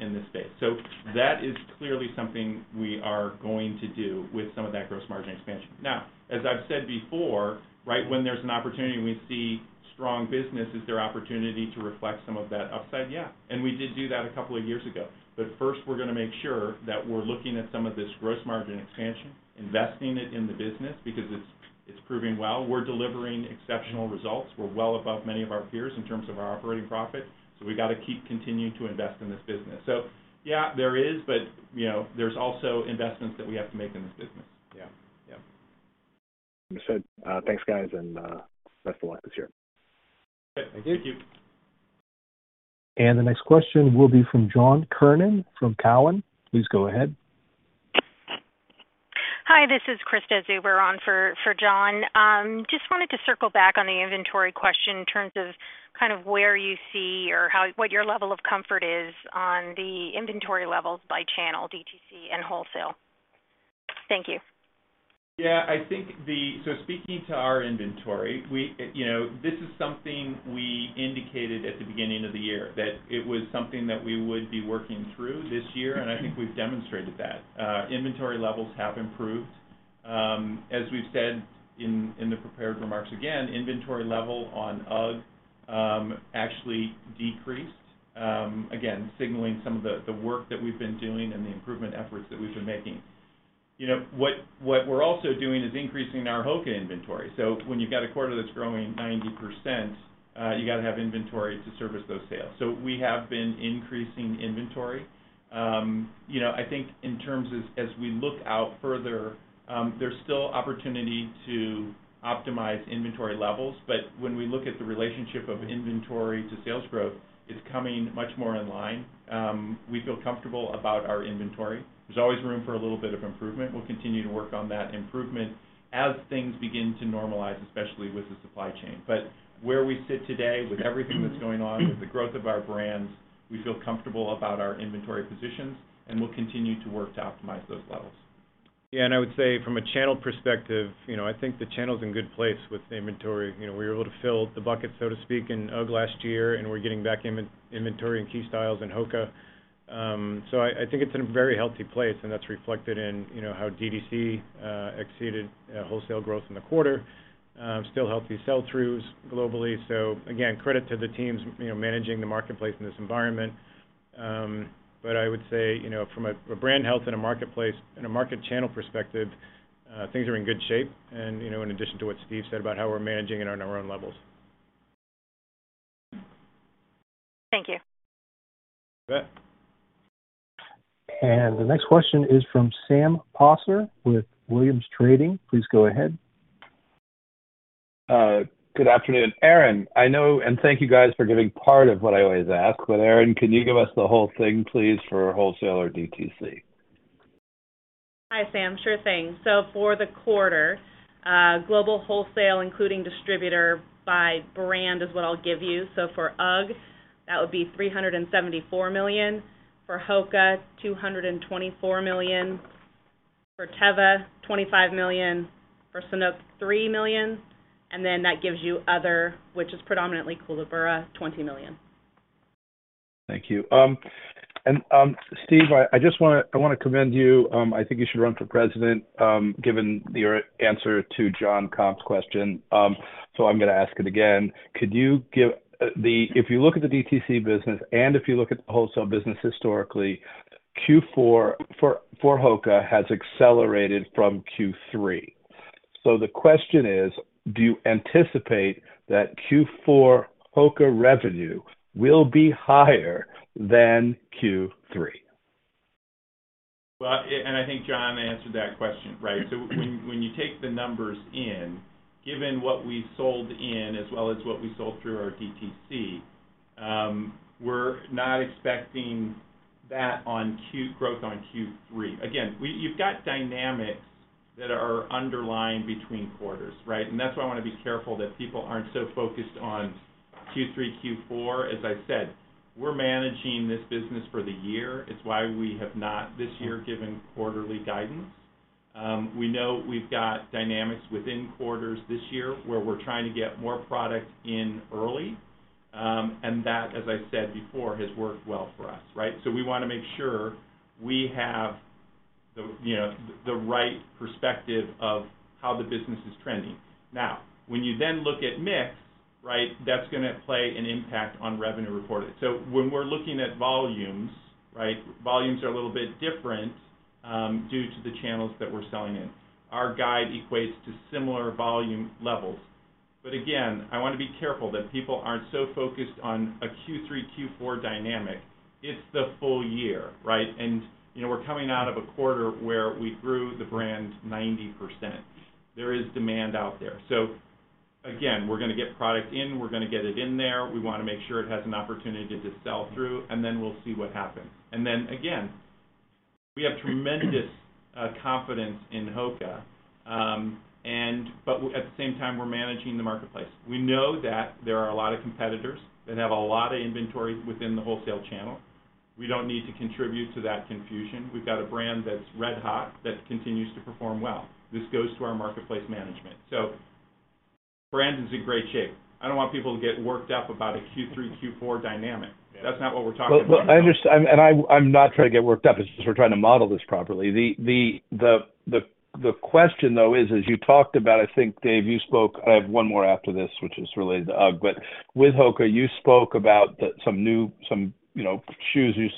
in this space. That is clearly something we are going to do with some of that gross margin expansion. Now, as I've said before, right, when there's an opportunity and we see strong business, is there opportunity to reflect some of that upside? Yeah. We did do that a couple of years ago. First, we're gonna make sure that we're looking at some of this gross margin expansion, investing it in the business because it's proving well. We're delivering exceptional results. We're well above many of our peers in terms of our operating profit, so we gotta keep continuing to invest in this business. Yeah, there is, but, you know, there's also investments that we have to make in this business. Yeah. Understood. Thanks, guys. That's the line this year. Okay. Thank you. Thank you. The next question will be from John Kernan from Cowen. Please go ahead. Hi, this is Krista Zuber on for John. Just wanted to circle back on the inventory question in terms of kind of where you see what your level of comfort is on the inventory levels by channel D2C and wholesale. Thank you. Yeah, I think speaking to our inventory, we, you know, this is something we indicated at the beginning of the year that it was something that we would be working through this year, and I think we've demonstrated that. Inventory levels have improved. As we've said in the prepared remarks, again, inventory level on UGG actually decreased, again, signaling some of the work that we've been doing and the improvement efforts that we've been making. You know, what we're also doing is increasing our HOKA inventory. When you've got a quarter that's growing 90%, you got to have inventory to service those sales. We have been increasing inventory. You know, I think in terms of as we look out further, there's still opportunity to optimize inventory levels. When we look at the relationship of inventory to sales growth, it's coming much more in line. We feel comfortable about our inventory. There's always room for a little bit of improvement. We'll continue to work on that improvement as things begin to normalize, especially with the supply chain. Where we sit today with everything that's going on, with the growth of our brands, we feel comfortable about our inventory positions, and we'll continue to work to optimize those levels. Yeah, I would say from a channel perspective, you know, I think the channel's in good place with the inventory. You know, we were able to fill the bucket, so to speak, in UGG last year, and we're getting back inventory and key styles in HOKA. I think it's in a very healthy place, and that's reflected in, you know, how D2C exceeded wholesale growth in the quarter. Still healthy sell-throughs globally. Again, credit to the teams, you know, managing the marketplace in this environment. I would say, you know, from a brand health in a marketplace and a market channel perspective, things are in good shape. You know, in addition to what Steve said about how we're managing in our own levels. Thank you. Yep. The next question is from Sam Poser with Williams Trading. Please go ahead. Good afternoon. Erin, thank you guys for giving part of what I always ask. Erin, can you give us the whole thing, please for wholesale or DTC? Hi, Sam. Sure thing. For the quarter, global wholesale, including distributor by brand, is what I'll give you. For UGG, that would be $374 million. For HOKA, $224 million. For Teva, $25 million. For Sanuk, $3 million. That gives you other, which is predominantly Koolaburra, $20 million. Thank you. Steve, I just wanna commend you. I think you should run for president, given your answer to Jonathan Komp's question. I'm gonna ask it again. Could you give, if you look at the DTC business and if you look at the wholesale business historically, Q4 for HOKA has accelerated from Q3. The question is: Do you anticipate that Q4 HOKA revenue will be higher than Q3? Well, I think John answered that question, right? When you take the numbers in, given what we sold in as well as what we sold through our DTC, we're not expecting that growth on Q3. Again, you've got dynamics that are underlying between quarters, right? That's why I wanna be careful that people aren't so focused on Q3, Q4. As I said, we're managing this business for the year. It's why we have not this year given quarterly guidance. We know we've got dynamics within quarters this year where we're trying to get more product in early, and that, as I said before, has worked well for us, right? We wanna make sure we have the, you know, the right perspective of how the business is trending. When you then look at mix, right? That's gonna play an impact on revenue reported. When we're looking at volumes, right? Volumes are a little bit different due to the channels that we're selling in. Our guide equates to similar volume levels. Again, I wanna be careful that people aren't so focused on a Q3, Q4 dynamic. It's the full year, right? We're coming out of a quarter where we grew the brand 90%. There is demand out there. Again, we're gonna get product in. We're gonna get it in there. We wanna make sure it has an opportunity to sell through, and then we'll see what happens. Again, we have tremendous confidence in HOKA at the same time, we're managing the marketplace. We know that there are a lot of competitors that have a lot of inventory within the wholesale channel. We don't need to contribute to that confusion. We've got a brand that's red-hot, that continues to perform well. This goes to our marketplace management. Brand is in great shape. I don't want people to get worked up about a Q3, Q4 dynamic. That's not what we're talking about here. Well, I'm not trying to get worked up. It's just we're trying to model this properly. The question, though, is, as you talked about, I think, Dave Powers, you spoke. I have one more after this, which is related to UGG. With HOKA, you spoke about the some new, some, you know, shoes you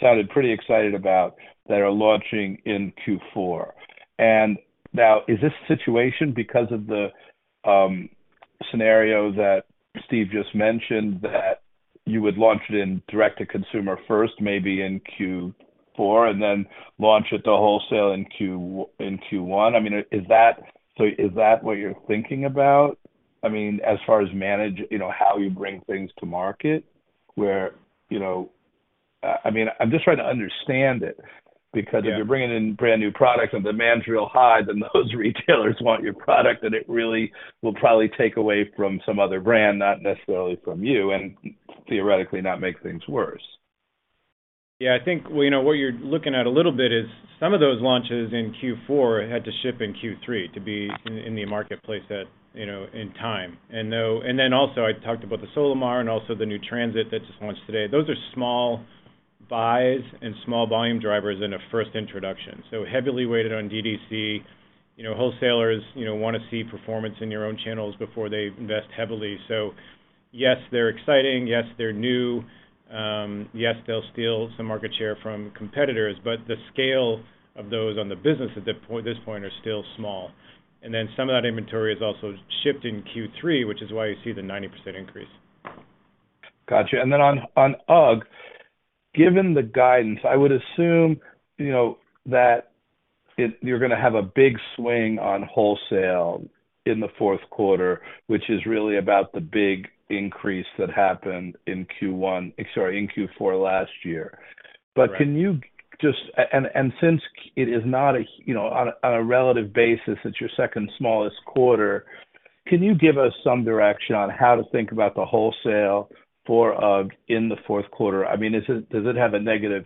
sounded pretty excited about that are launching in Q4. Now is this situation because of the scenario that Steven Fasching just mentioned that you would launch it in direct to consumer first, maybe in Q4, and then launch it to wholesale in Q1? I mean, is that what you're thinking about? I mean, as far as manage, you know, how you bring things to market where, you know. I mean, I'm just trying to understand it because. If you're bringing in brand new products and demand's real high, then those retailers want your product, and it really will probably take away from some other brand, not necessarily from you, and theoretically not make things worse. I think, well, you know, what you're looking at a little bit is some of those launches in Q4 had to ship in Q3 to be in the marketplace at, you know, in time. Also I talked about the Solimar and also the new Transport that just launched today. Those are small buys and small volume drivers in a first introduction, so heavily weighted on DTC. You know, wholesalers, you know, wanna see performance in your own channels before they invest heavily. Yes, they're exciting. Yes, they're new. Yes, they'll steal some market share from competitors, but the scale of those on the business this point are still small. Some of that inventory is also shipped in Q3, which is why you see the 90% increase. Gotcha. Then on UGG, given the guidance, I would assume, you know, that you're going to have a big swing on wholesale in the fourth quarter, which is really about the big increase that happened in Q1, sorry, in Q4 last year. Correct. Can you just, and since it is not a, you know, on a relative basis, it's your second smallest quarter. Can you give us some direction on how to think about the wholesale for UGG in the fourth quarter? I mean, does it have a negative?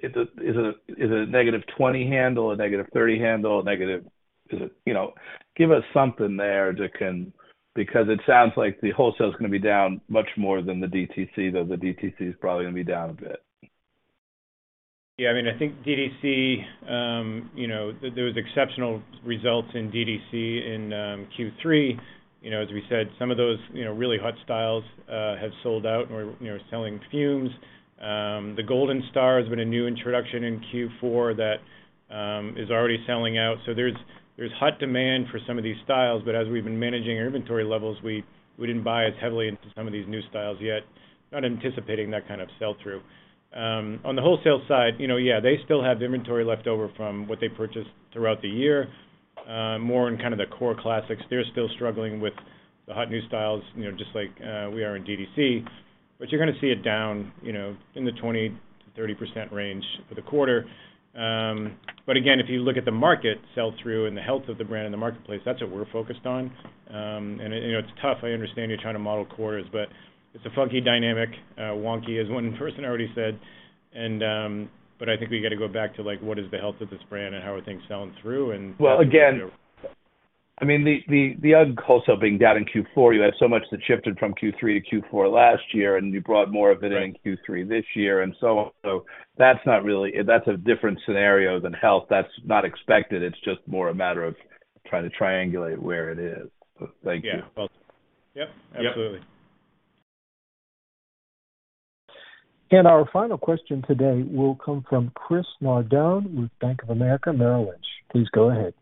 Is it a negative 20 handle, a negative 30 handle, a negative? Is it? You know, give us something there that can. It sounds like the wholesale is gonna be down much more than the DTC, though the DTC is probably gonna be down a bit. I mean, I think DTC, you know, there was exceptional results in DTC in Q3. As we said, some of those, you know, really hot styles have sold out and we're, you know, selling fumes. The Goldenstar has been a new introduction in Q4 that is already selling out. There's hot demand for some of these styles, but as we've been managing our inventory levels, we didn't buy as heavily into some of these new styles yet, not anticipating that kind of sell-through. On the wholesale side, you know, they still have the inventory left over from what they purchased throughout the year. More in kind of the core classics. They're still struggling with the hot new styles, you know, just like, we are in DTC. You're gonna see it down, you know, in the 20%-30% range for the quarter. Again, if you look at the market sell-through and the health of the brand in the marketplace, that's what we're focused on. It, you know, it's tough. I understand you're trying to model quarters, but it's a funky dynamic, wonky as one person already said. I think we gotta go back to, like, what is the health of this brand and how are things selling through. Well, again, I mean, the UGG also being down in Q4, you had so much that shifted from Q3 to Q4 last year, and you brought more of it in Q3 this year and so on. That's not really. That's a different scenario than health. That's not expected. It's just more a matter of trying to triangulate where it is. Thank you. Yeah. Well. Yep, absolutely. Our final question today will come from Chris Nardone with Bank of America Merrill Lynch. Please go ahead.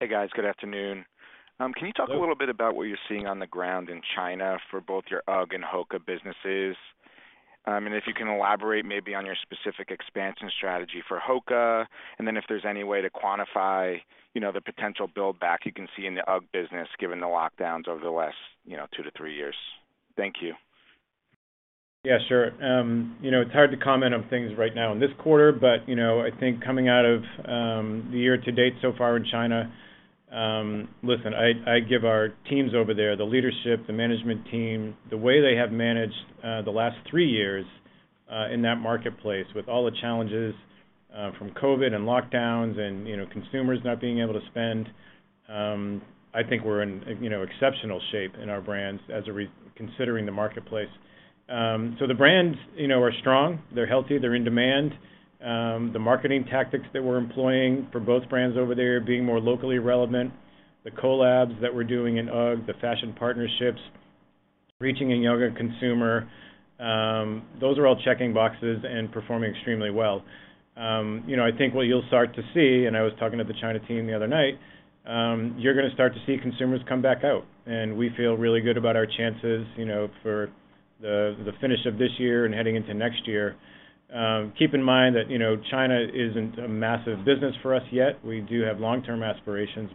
Hey, guys. Good afternoon. Can you talk a little bit about what you're seeing on the ground in China for both your UGG and HOKA businesses? If you can elaborate maybe on your specific expansion strategy for HOKA, then if there's any way to quantify, you know, the potential build back you can see in the UGG business given the lockdowns over the last, you know, 2-3 years. Thank you. Yeah, sure. You know, it's hard to comment on things right now in this quarter but, you know, I think coming out of the year to date so far in China. Listen, I give our teams over there, the leadership, the management team, the way they have managed the last three years in that marketplace with all the challenges from COVID and lockdowns and, you know, consumers not being able to spend, I think we're in, you know, exceptional shape in our brands considering the marketplace. The brands, you know, are strong, they're healthy, they're in demand. The marketing tactics that we're employing for both brands over there are being more locally relevant. The collabs that we're doing in UGG, the fashion partnerships, reaching a younger consumer, those are all checking boxes and performing extremely well. You know, I think what you'll start to see, and I was talking to the China team the other night, you're gonna start to see consumers come back out, and we feel really good about our chances, you know, for the finish of this year and heading into next year. Keep in mind that, you know, China isn't a massive business for us yet. We do have long-term aspirations,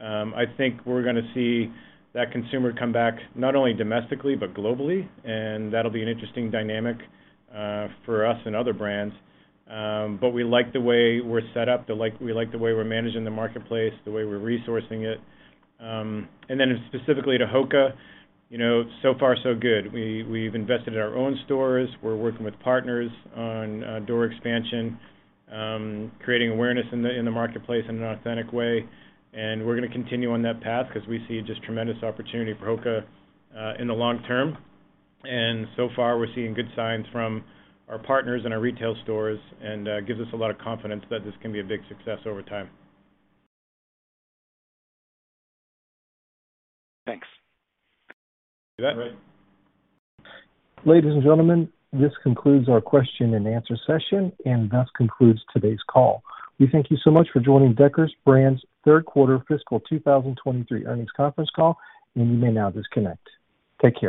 I think we're gonna see that consumer come back not only domestically, but globally, and that'll be an interesting dynamic for us and other brands. We like the way we're set up, we like the way we're managing the marketplace, the way we're resourcing it. Specifically to HOKA, you know, so far so good. We've invested in our own stores. We're working with partners on door expansion, creating awareness in the marketplace in an authentic way. We're gonna continue on that path 'cause we see just tremendous opportunity for HOKA in the long term. So far, we're seeing good signs from our partners and our retail stores and it gives us a lot of confidence that this can be a big success over time. Thanks. Ladies and gentlemen, this concludes our question and answer session, and thus concludes today's call. We thank you so much for joining Deckers Brands' third quarter fiscal 2023 earnings conference call, and you may now disconnect. Take care.